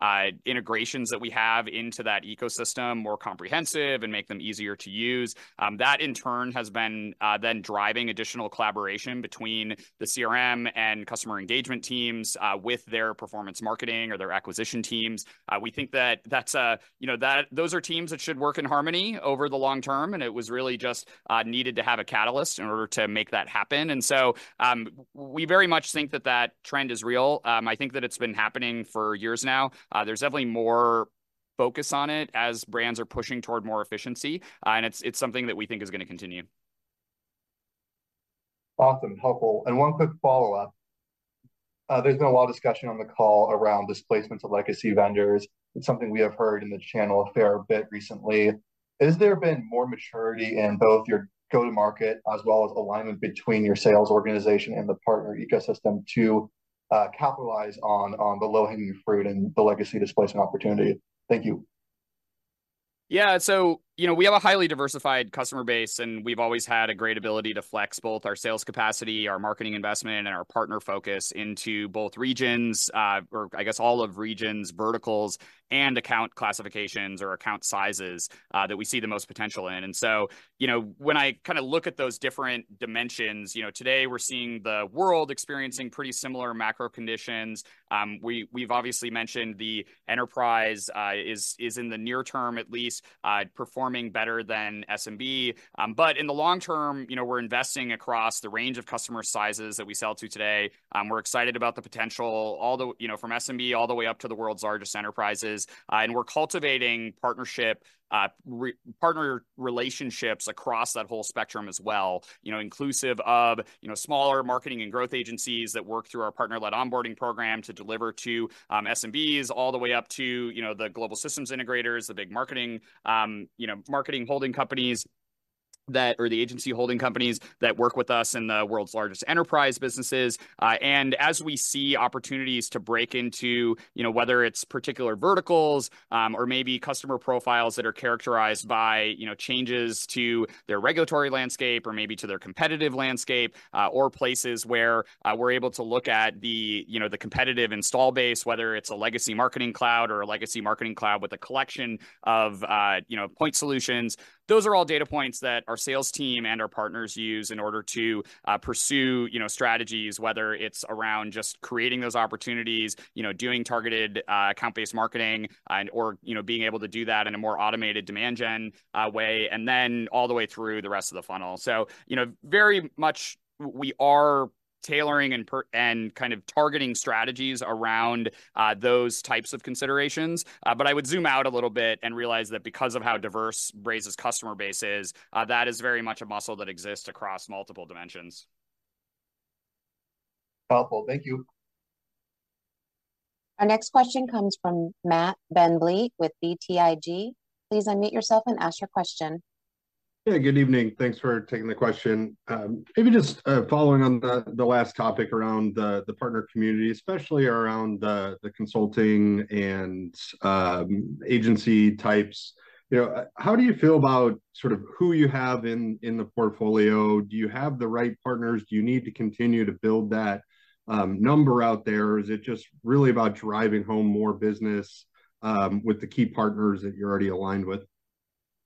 those integrations that we have into that ecosystem more comprehensive and make them easier to use. That, in turn, has been then driving additional collaboration between the CRM and customer engagement teams with their performance marketing or their acquisition teams. We think that that's, you know, those are teams that should work in harmony over the long term, and it was really just needed to have a catalyst in order to make that happen. We very much think that that trend is real. I think that it's been happening for years now. There's definitely more focus on it as brands are pushing toward more efficiency, and it's, it's something that we think is gonna continue. Awesome, helpful. And one quick follow-up. There's been a lot of discussion on the call around displacement to legacy vendors, and something we have heard in the channel a fair bit recently. Has there been more maturity in both your go-to-market, as well as alignment between your sales organization and the partner ecosystem to capitalize on the low-hanging fruit and the legacy displacement opportunity? Thank you. Yeah, so, you know, we have a highly diversified customer base, and we've always had a great ability to flex both our sales capacity, our marketing investment, and our partner focus into both regions, or I guess all of regions, verticals, and account classifications or account sizes, that we see the most potential in. And so, you know, when I kinda look at those different dimensions, you know, today we're seeing the world experiencing pretty similar macro conditions. We've obviously mentioned the enterprise is in the near term, at least, performing better than SMB. But in the long term, you know, we're investing across the range of customer sizes that we sell to today. We're excited about the potential, although, you know, from SMB, all the way up to the world's largest enterprises. And we're cultivating partnership partner relationships across that whole spectrum as well. You know, inclusive of, you know, smaller marketing and growth agencies that work through our partner-led onboarding program to deliver to SMBs, all the way up to, you know, the global systems integrators, the big marketing, you know, marketing holding companies that or the agency holding companies that work with us in the world's largest enterprise businesses. And as we see opportunities to break into, you know, whether it's particular verticals or maybe customer profiles that are characterized by, you know, changes to their regulatory landscape or maybe to their competitive landscape or places where we're able to look at the, you know, the competitive install base, whether it's a legacy marketing cloud or a legacy marketing cloud with a collection of point solutions. Those are all data points that our sales team and our partners use in order to pursue, you know, strategies, whether it's around just creating those opportunities, you know, doing targeted account-based marketing, and or, you know, being able to do that in a more automated demand gen way, and then all the way through the rest of the funnel. So, you know, very much we are tailoring and per- and kind of targeting strategies around those types of considerations. But I would zoom out a little bit and realize that because of how diverse Braze's customer base is, that is very much a muscle that exists across multiple dimensions. Helpful. Thank you. Our next question comes from Matt Bentley with BTIG. Please unmute yourself and ask your question. Yeah, good evening. Thanks for taking the question. Maybe just following on the last topic around the partner community, especially around the consulting and agency types, you know, how do you feel about sort of who you have in the portfolio? Do you have the right partners? Do you need to continue to build that number out there, or is it just really about driving home more business with the key partners that you're already aligned with?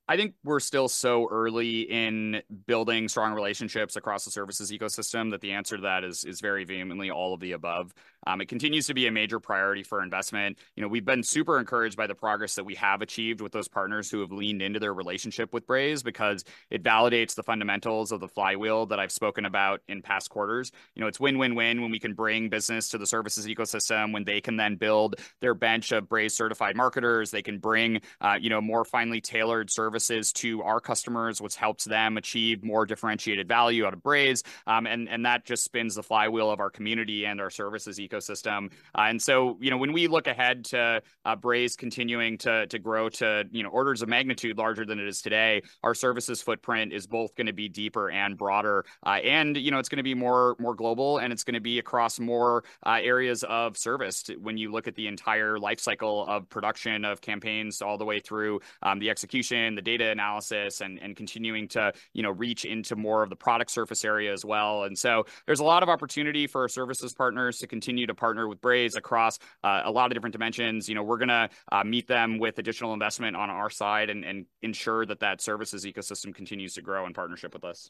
I think we're still so early in building strong relationships across the services ecosystem, that the answer to that is very vehemently all of the above. It continues to be a major priority for investment. You know, we've been super encouraged by the progress that we have achieved with those partners who have leaned into their relationship with Braze because it validates the fundamentals of the flywheel that I've spoken about in past quarters. You know, it's win-win-win when we can bring business to the services ecosystem, when they can then build their bench of Braze-certified marketers, they can bring, you know, more finely tailored services to our customers, which helps them achieve more differentiated value out of Braze. And that just spins the flywheel of our community and our services ecosystem. And so, you know, when we look ahead to, Braze continuing to grow to, you know, orders of magnitude larger than it is today, our services footprint is both gonna be deeper and broader. And, you know, it's gonna be more global, and it's gonna be across more areas of service when you look at the entire life cycle of production of campaigns, all the way through, the execution, the data analysis, and continuing to, you know, reach into more of the product surface area as well. And so there's a lot of opportunity for our services partners to continue to partner with Braze across, a lot of different dimensions. You know, we're gonna meet them with additional investment on our side and ensure that that services ecosystem continues to grow in partnership with us.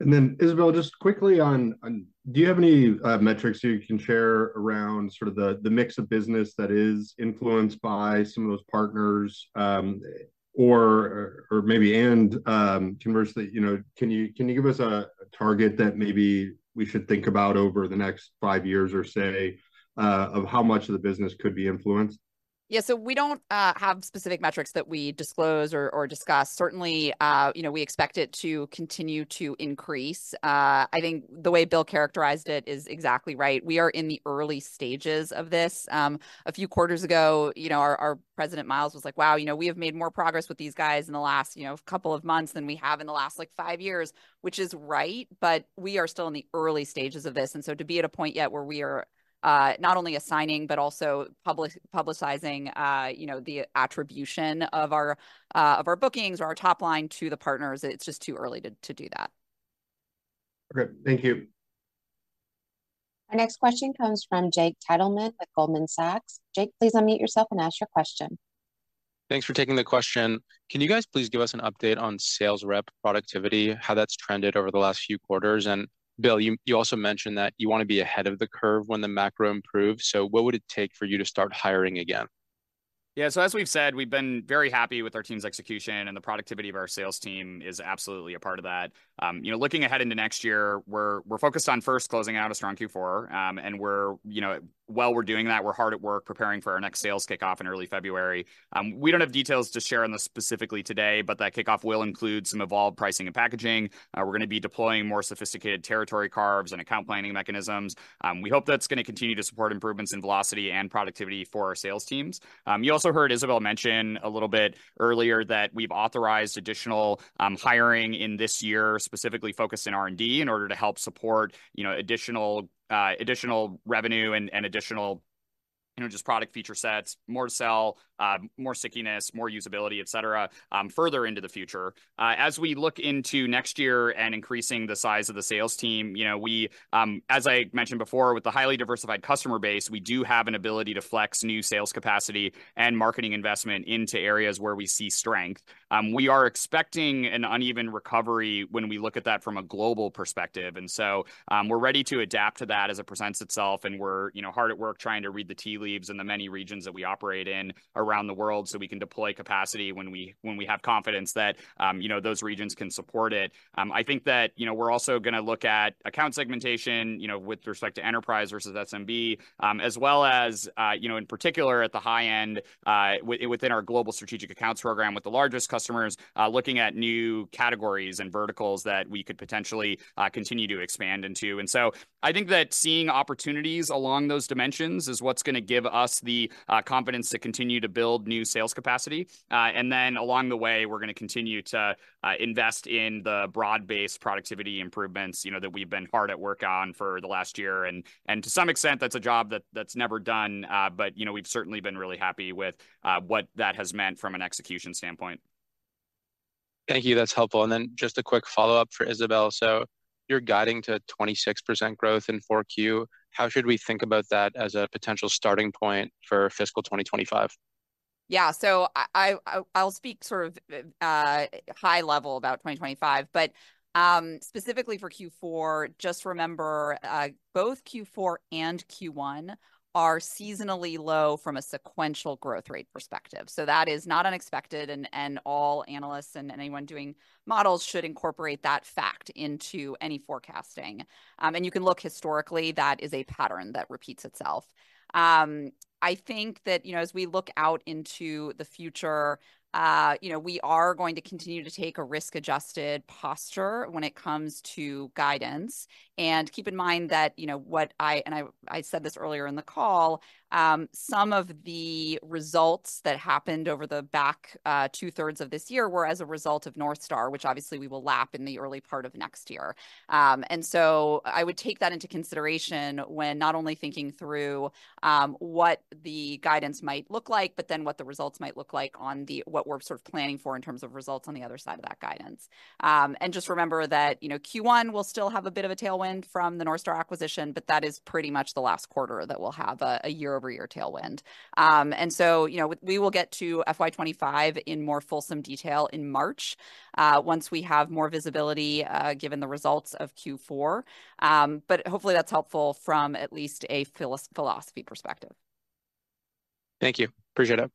And then, Isabelle, just quickly on. Do you have any metrics you can share around sort of the mix of business that is influenced by some of those partners, or maybe and, conversely, you know, can you give us a target that maybe we should think about over the next five years, or say, of how much of the business could be influenced? Yeah. So we don't have specific metrics that we disclose or discuss. Certainly, you know, we expect it to continue to increase. I think the way Bill characterized it is exactly right. We are in the early stages of this. A few quarters ago, you know, our president, Myles, was like: "Wow, you know, we have made more progress with these guys in the last, you know, couple of months than we have in the last, like, five years." Which is right, but we are still in the early stages of this, and so to be at a point yet where we are not only assigning but also publicizing, you know, the attribution of our bookings or our top line to the partners, it's just too early to do that. Okay. Thank you. Our next question comes from Jake Titelman at Goldman Sachs. Jake, please unmute yourself and ask your question. Thanks for taking the question. Can you guys please give us an update on sales rep productivity, how that's trended over the last few quarters? And, Bill, you, you also mentioned that you wanna be ahead of the curve when the macro improves, so what would it take for you to start hiring again? Yeah. So as we've said, we've been very happy with our team's execution, and the productivity of our sales team is absolutely a part of that. You know, looking ahead into next year, we're focused on first closing out a strong Q4. And we're, you know, while we're doing that, we're hard at work preparing for our next sales kickoff in early February. We don't have details to share on this specifically today, but that kickoff will include some evolved pricing and packaging. We're gonna be deploying more sophisticated territory carves and account planning mechanisms. We hope that's gonna continue to support improvements in velocity and productivity for our sales teams. You also heard Isabelle mention a little bit earlier that we've authorized additional hiring in this year, specifically focused in R&D, in order to help support, you know, additional revenue and additional, you know, just product feature sets, more to sell, more stickiness, more usability, et cetera, further into the future. As we look into next year and increasing the size of the sales team, you know, we, as I mentioned before, with the highly diversified customer base, we do have an ability to flex new sales capacity and marketing investment into areas where we see strength. We are expecting an uneven recovery when we look at that from a global perspective, and so, we're ready to adapt to that as it presents itself. We're, you know, hard at work trying to read the tea leaves in the many regions that we operate in around the world, so we can deploy capacity when we, when we have confidence that, you know, those regions can support it. I think that, you know, we're also gonna look at account segmentation, you know, with respect to enterprise versus SMB, as well as, you know, in particular, at the high end, within our global strategic accounts program with the largest customers, looking at new categories and verticals that we could potentially continue to expand into. And so I think that seeing opportunities along those dimensions is what's gonna give us the confidence to continue to build new sales capacity. And then along the way, we're gonna continue to invest in the broad-based productivity improvements, you know, that we've been hard at work on for the last year. And to some extent, that's a job that's never done, but, you know, we've certainly been really happy with what that has meant from an execution standpoint.... Thank you. That's helpful. Then just a quick follow-up for Isabelle. So you're guiding to 26% growth in 4Q. How should we think about that as a potential starting point for fiscal 2025? Yeah, so I'll speak sort of high level about 2025. But specifically for Q4, just remember both Q4 and Q1 are seasonally low from a sequential growth rate perspective. So that is not unexpected, and all analysts and anyone doing models should incorporate that fact into any forecasting. I think that, you know, as we look out into the future, you know, we are going to continue to take a risk-adjusted posture when it comes to guidance. Keep in mind that, you know, I said this earlier in the call, some of the results that happened over the back two-thirds of this year were as a result of North Star, which obviously we will lap in the early part of next year. And so I would take that into consideration when not only thinking through what the guidance might look like, but then what the results might look like on the—what we're sort of planning for in terms of results on the other side of that guidance. And just remember that, you know, Q1 will still have a bit of a tailwind from the North Star acquisition, but that is pretty much the last quarter that we'll have a year-over-year tailwind. And so, you know, we will get to FY 25 in more fulsome detail in March, once we have more visibility, given the results of Q4. But hopefully, that's helpful from at least a philosophy perspective. Thank you. Appreciate it.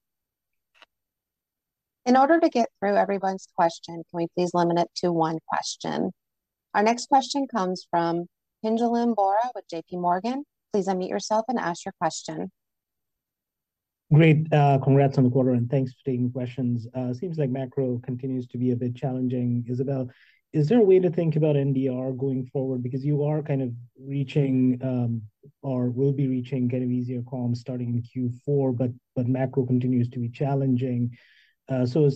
In order to get through everyone's question, can we please limit it to one question? Our next question comes from Pinjalim Bora with JPMorgan. Please unmute yourself and ask your question. Great. Congrats on the quarter, and thanks for taking questions. Seems like macro continues to be a bit challenging. Isabelle, is there a way to think about NDR going forward? Because you are kind of reaching, or will be reaching, getting easier comps, starting in Q4, but macro continues to be challenging. So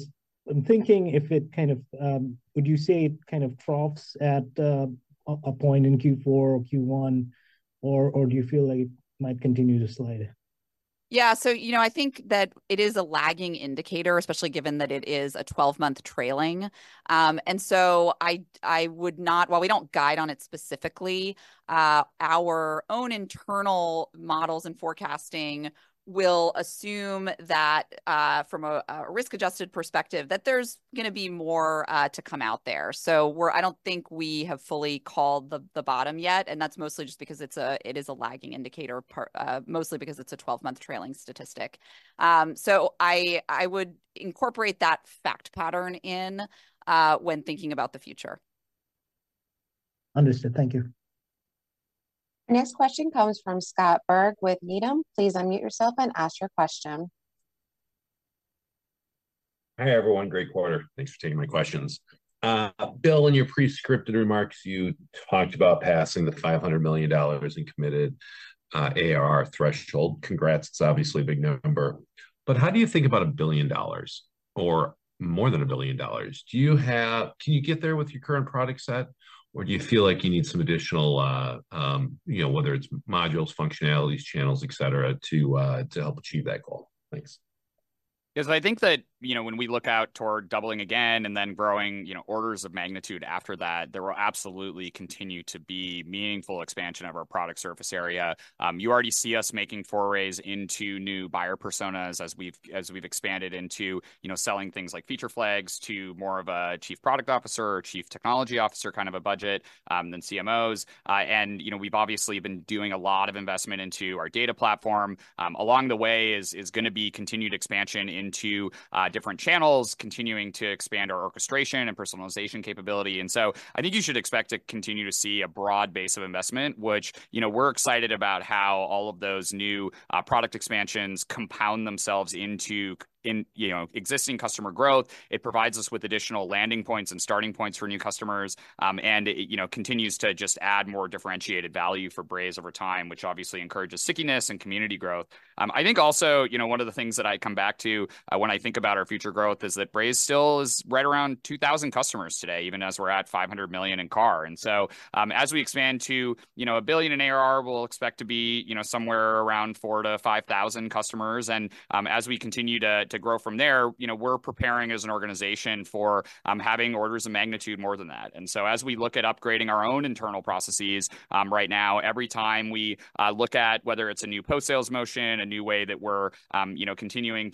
I'm thinking if it kind of... Would you say it kind of troughs at a point in Q4 or Q1, or do you feel like it might continue to slide? Yeah. So, you know, I think that it is a lagging indicator, especially given that it is a 12-month trailing. And so I would not—while we don't guide on it specifically, our own internal models and forecasting will assume that, from a risk-adjusted perspective, that there's gonna be more to come out there. I don't think we have fully called the bottom yet, and that's mostly just because it is a lagging indicator, mostly because it's a 12-month trailing statistic. So I would incorporate that fact pattern in when thinking about the future. Understood. Thank you. Next question comes from Scott Berg with Needham. Please unmute yourself and ask your question. Hi, everyone. Great quarter. Thanks for taking my questions. Bill, in your pre-scripted remarks, you talked about passing the $500 million in committed ARR threshold. Congrats, it's obviously a big number, but how do you think about $1 billion or more than $1 billion? Can you get there with your current product set, or do you feel like you need some additional, you know, whether it's modules, functionalities, channels, et cetera, to help achieve that goal? Thanks. Yes, I think that, you know, when we look out toward doubling again and then growing, you know, orders of magnitude after that, there will absolutely continue to be meaningful expansion of our product surface area. You already see us making forays into new buyer personas as we've expanded into, you know, selling things like Feature Flags to more of a Chief Product Officer or Chief Technology Officer, kind of a budget, than CMOs. And, you know, we've obviously been doing a lot of investment into our data platform. Along the way is gonna be continued expansion into different channels, continuing to expand our orchestration and personalization capability. I think you should expect to continue to see a broad base of investment, which, you know, we're excited about how all of those new product expansions compound themselves into, in, you know, existing customer growth. It provides us with additional landing points and starting points for new customers. And, you know, continues to just add more differentiated value for Braze over time, which obviously encourages stickiness and community growth. I think also, you know, one of the things that I come back to when I think about our future growth is that Braze still is right around 2,000 customers today, even as we're at $500 million in ARR. And so, as we expand to, you know, $1 billion in ARR, we'll expect to be, you know, somewhere around 4,000 to 5,000 customers. As we continue to grow from there, you know, we're preparing as an organization for having orders of magnitude more than that. So as we look at upgrading our own internal processes, right now, every time we look at whether it's a new post-sales motion, a new way that we're you know, continuing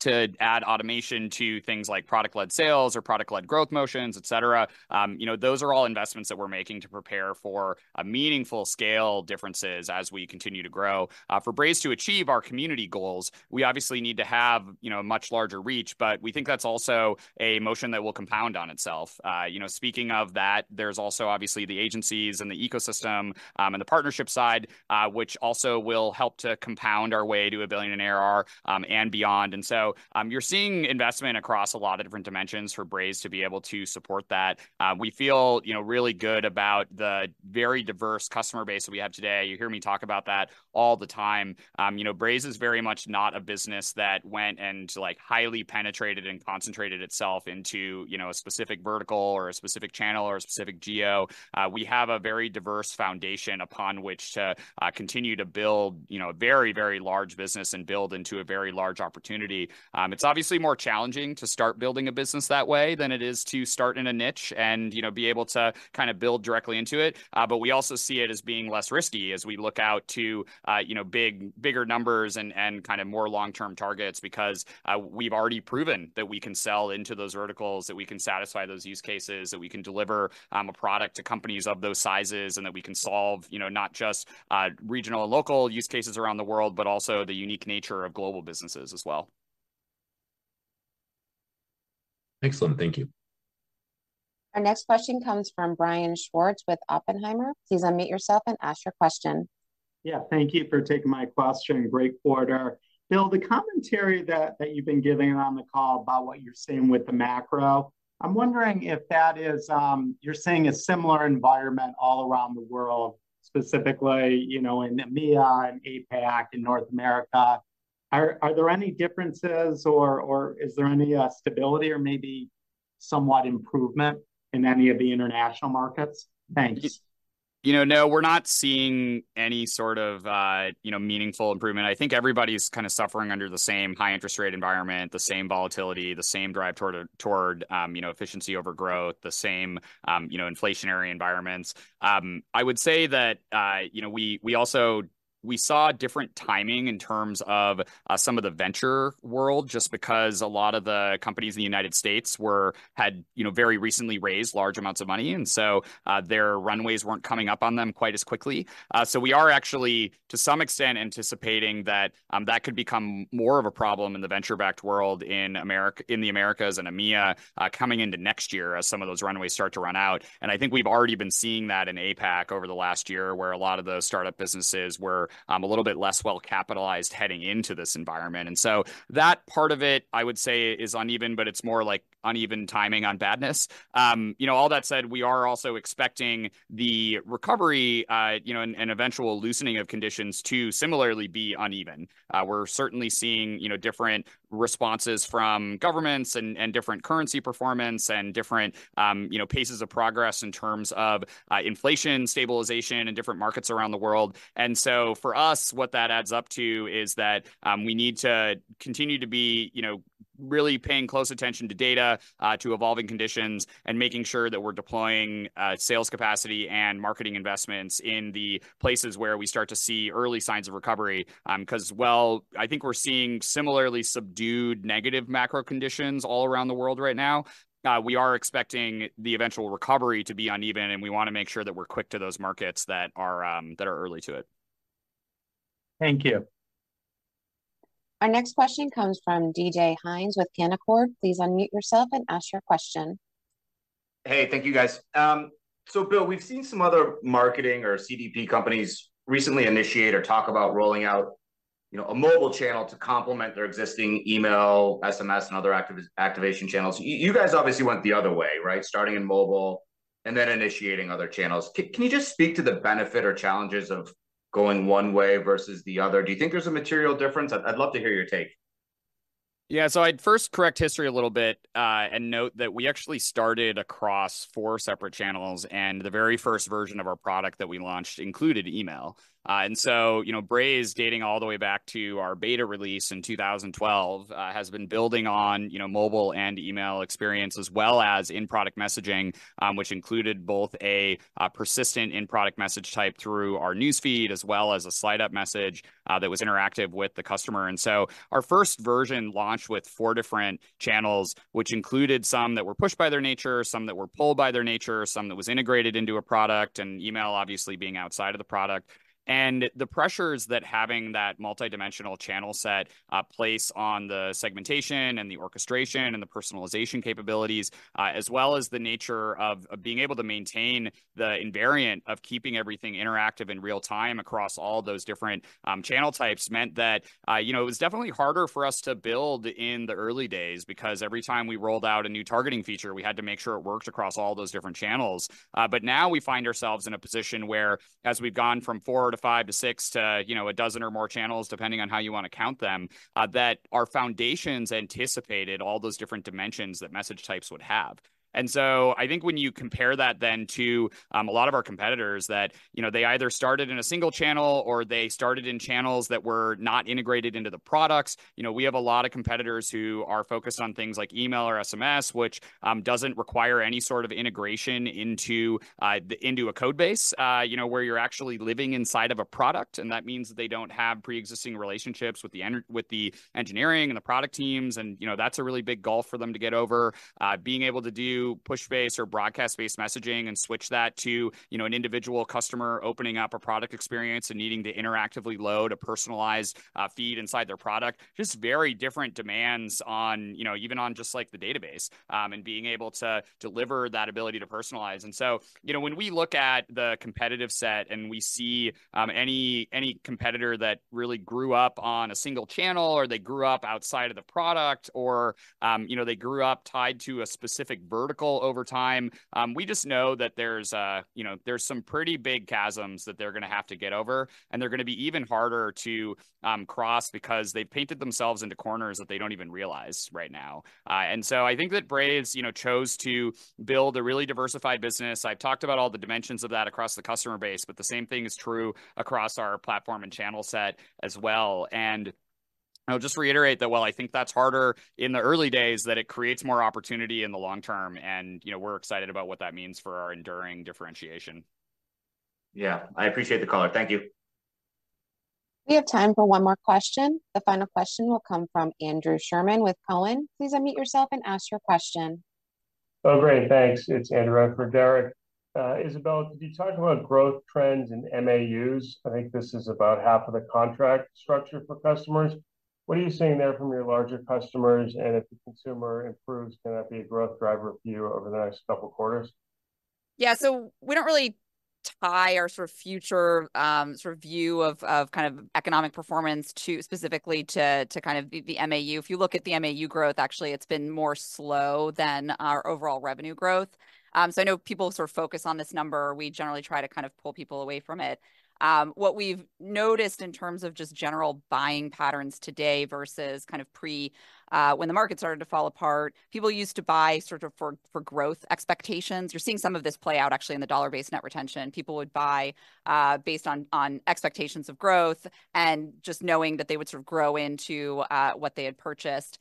to add automation to things like product-led sales or product-led growth motions, et cetera. You know, those are all investments that we're making to prepare for a meaningful scale differences as we continue to grow. For Braze to achieve our community goals, we obviously need to have you know, a much larger reach, but we think that's also a motion that will compound on itself. You know, speaking of that, there's also obviously the agencies and the ecosystem, and the partnership side, which also will help to compound our way to $1 billion in ARR, and beyond. And so, you're seeing investment across a lot of different dimensions for Braze to be able to support that. We feel, you know, really good about the very diverse customer base that we have today. You hear me talk about that all the time. You know, Braze is very much not a business that went and, like, highly penetrated and concentrated itself into, you know, a specific vertical or a specific channel or a specific geo. We have a very diverse foundation upon which to continue to build, you know, a very, very large business and build into a very large opportunity. It's obviously more challenging to start building a business that way than it is to start in a niche and, you know, be able to kind of build directly into it. But we also see it as being less risky as we look out to, you know, big, bigger numbers and kind of more long-term targets, because we've already proven that we can sell into those verticals, that we can satisfy those use cases, that we can deliver a product to companies of those sizes, and that we can solve, you know, not just regional and local use cases around the world, but also the unique nature of global businesses as well.... Excellent. Thank you. Our next question comes from Brian Schwartz with Oppenheimer. Please unmute yourself and ask your question. Yeah, thank you for taking my question. Great quarter. Bill, the commentary that you've been giving on the call about what you're seeing with the macro, I'm wondering if that is you're seeing a similar environment all around the world, specifically, you know, in EMEA and APAC, in North America. Are there any differences or is there any stability or maybe somewhat improvement in any of the international markets? Thanks. You know, no, we're not seeing any sort of, you know, meaningful improvement. I think everybody's kind of suffering under the same high interest rate environment, the same volatility, the same drive toward, you know, efficiency over growth, the same, you know, inflationary environments. I would say that, you know, we also saw different timing in terms of, some of the venture world, just because a lot of the companies in the United States were had, you know, very recently raised large amounts of money, and so, their runways weren't coming up on them quite as quickly. So we are actually, to some extent, anticipating that that could become more of a problem in the venture-backed world, in the Americas and EMEA, coming into next year, as some of those runways start to run out. And I think we've already been seeing that in APAC over the last year, where a lot of the start-up businesses were a little bit less well-capitalized, heading into this environment. And so that part of it, I would say, is uneven, but it's more like uneven timing on badness. You know, all that said, we are also expecting the recovery, you know, and eventual loosening of conditions to similarly be uneven. We're certainly seeing, you know, different responses from governments, and different currency performance, and different paces of progress in terms of inflation, stabilization in different markets around the world. And so for us, what that adds up to is that we need to continue to be, you know, really paying close attention to data to evolving conditions, and making sure that we're deploying sales capacity and marketing investments in the places where we start to see early signs of recovery. Because, well, I think we're seeing similarly subdued negative macro conditions all around the world right now. We are expecting the eventual recovery to be uneven, and we wanna make sure that we're quick to those markets that are early to it. Thank you. Our next question comes from DJ Hynes with Canaccord. Please unmute yourself and ask your question. Hey, thank you, guys. So Bill, we've seen some other marketing or CDP companies recently initiate or talk about rolling out, you know, a mobile channel to complement their existing email, SMS, and other activation channels. You guys obviously went the other way, right? Starting in mobile, and then initiating other channels. Can you just speak to the benefit or challenges of going one way versus the other? Do you think there's a material difference? I'd love to hear your take. Yeah, so I'd first correct history a little bit, and note that we actually started across four separate channels, and the very first version of our product that we launched included email. And so, you know, Braze, dating all the way back to our beta release in 2012, has been building on, you know, mobile and email experience, as well as in-product messaging. Which included both a persistent in-product message type through our newsfeed, as well as a slide-up message, that was interactive with the customer. And so our first version launched with four different channels, which included some that were pushed by their nature, some that were pulled by their nature, some that was integrated into a product, and email, obviously, being outside of the product. The pressures that having that multidimensional channel set place on the segmentation, and the orchestration, and the personalization capabilities, as well as the nature of being able to maintain the invariant of keeping everything interactive in real time across all those different channel types, meant that, you know, it was definitely harder for us to build in the early days. Because every time we rolled out a new targeting feature, we had to make sure it worked across all those different channels. But now we find ourselves in a position where, as we've gone from 4 to 6, to, you know, a dozen or more channels, depending on how you wanna count them, that our foundations anticipated all those different dimensions that message types would have. I think when you compare that then to a lot of our competitors, that you know they either started in a single channel, or they started in channels that were not integrated into the products. You know, we have a lot of competitors who are focused on things like email or SMS, which doesn't require any sort of integration into a code base. You know, where you're actually living inside of a product, and that means that they don't have preexisting relationships with the engineering and the product teams. You know, that's a really big gulf for them to get over. Being able to do push-based or broadcast-based messaging and switch that to you know an individual customer opening up a product experience, and needing to interactively load a personalized feed inside their product. Just very different demands on, you know, even on just, like, the database. And being able to deliver that ability to personalize. And so, you know, when we look at the competitive set, and we see any competitor that really grew up on a single channel, or they grew up outside of the product, or, you know, they grew up tied to a specific vertical over time. We just know that there's, you know, there's some pretty big chasms that they're gonna have to get over, and they're gonna be even harder to cross, because they've painted themselves into corners that they don't even realize right now. And so I think that Braze, you know, chose to build a really diversified business. I've talked about all the dimensions of that across the customer base, but the same thing is true across our platform and channel set as well. And, you know, we're excited about what that means for our enduring differentiation. Yeah, I appreciate the call. Thank you. We have time for one more question. The final question will come from Andrew Sherman with Cowen. Please unmute yourself and ask your question. Oh, great. Thanks. It's Andrew for Derrick. Isabelle, could you talk about growth trends in MAUs? I think this is about half of the contract structure for customers. What are you seeing there from your larger customers? And if the consumer improves, can that be a growth driver for you over the next couple quarters? Yeah, so we don't really tie our sort of future, sort of view of, of kind of economic performance to, specifically to, to kind of the, the MAU. If you look at the MAU growth, actually, it's been more slow than our overall revenue growth. So I know people sort of focus on this number. We generally try to kind of pull people away from it. What we've noticed in terms of just general buying patterns today versus kind of pre, when the market started to fall apart, people used to buy sort of for, for growth expectations. You're seeing some of this play out actually in the Dollar-Based Net Retention. People would buy, based on, on expectations of growth, and just knowing that they would sort of grow into, what they had purchased.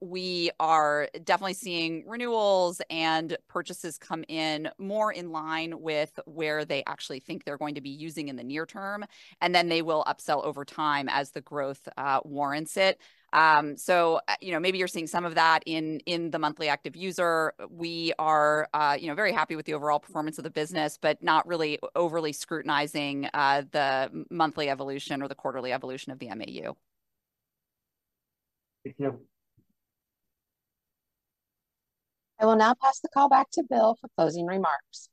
We are definitely seeing renewals and purchases come in more in line with where they actually think they're going to be using in the near term, and then they will upsell over time as the growth warrants it. So, you know, maybe you're seeing some of that in the monthly active user. We are, you know, very happy with the overall performance of the business, but not really overly scrutinizing the monthly evolution or the quarterly evolution of the MAU. Thank you. I will now pass the call back to Bill for closing remarks.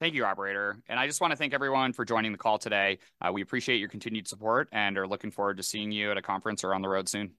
Thank you, operator, and I just wanna thank everyone for joining the call today. We appreciate your continued support, and are looking forward to seeing you at a conference or on the road soon.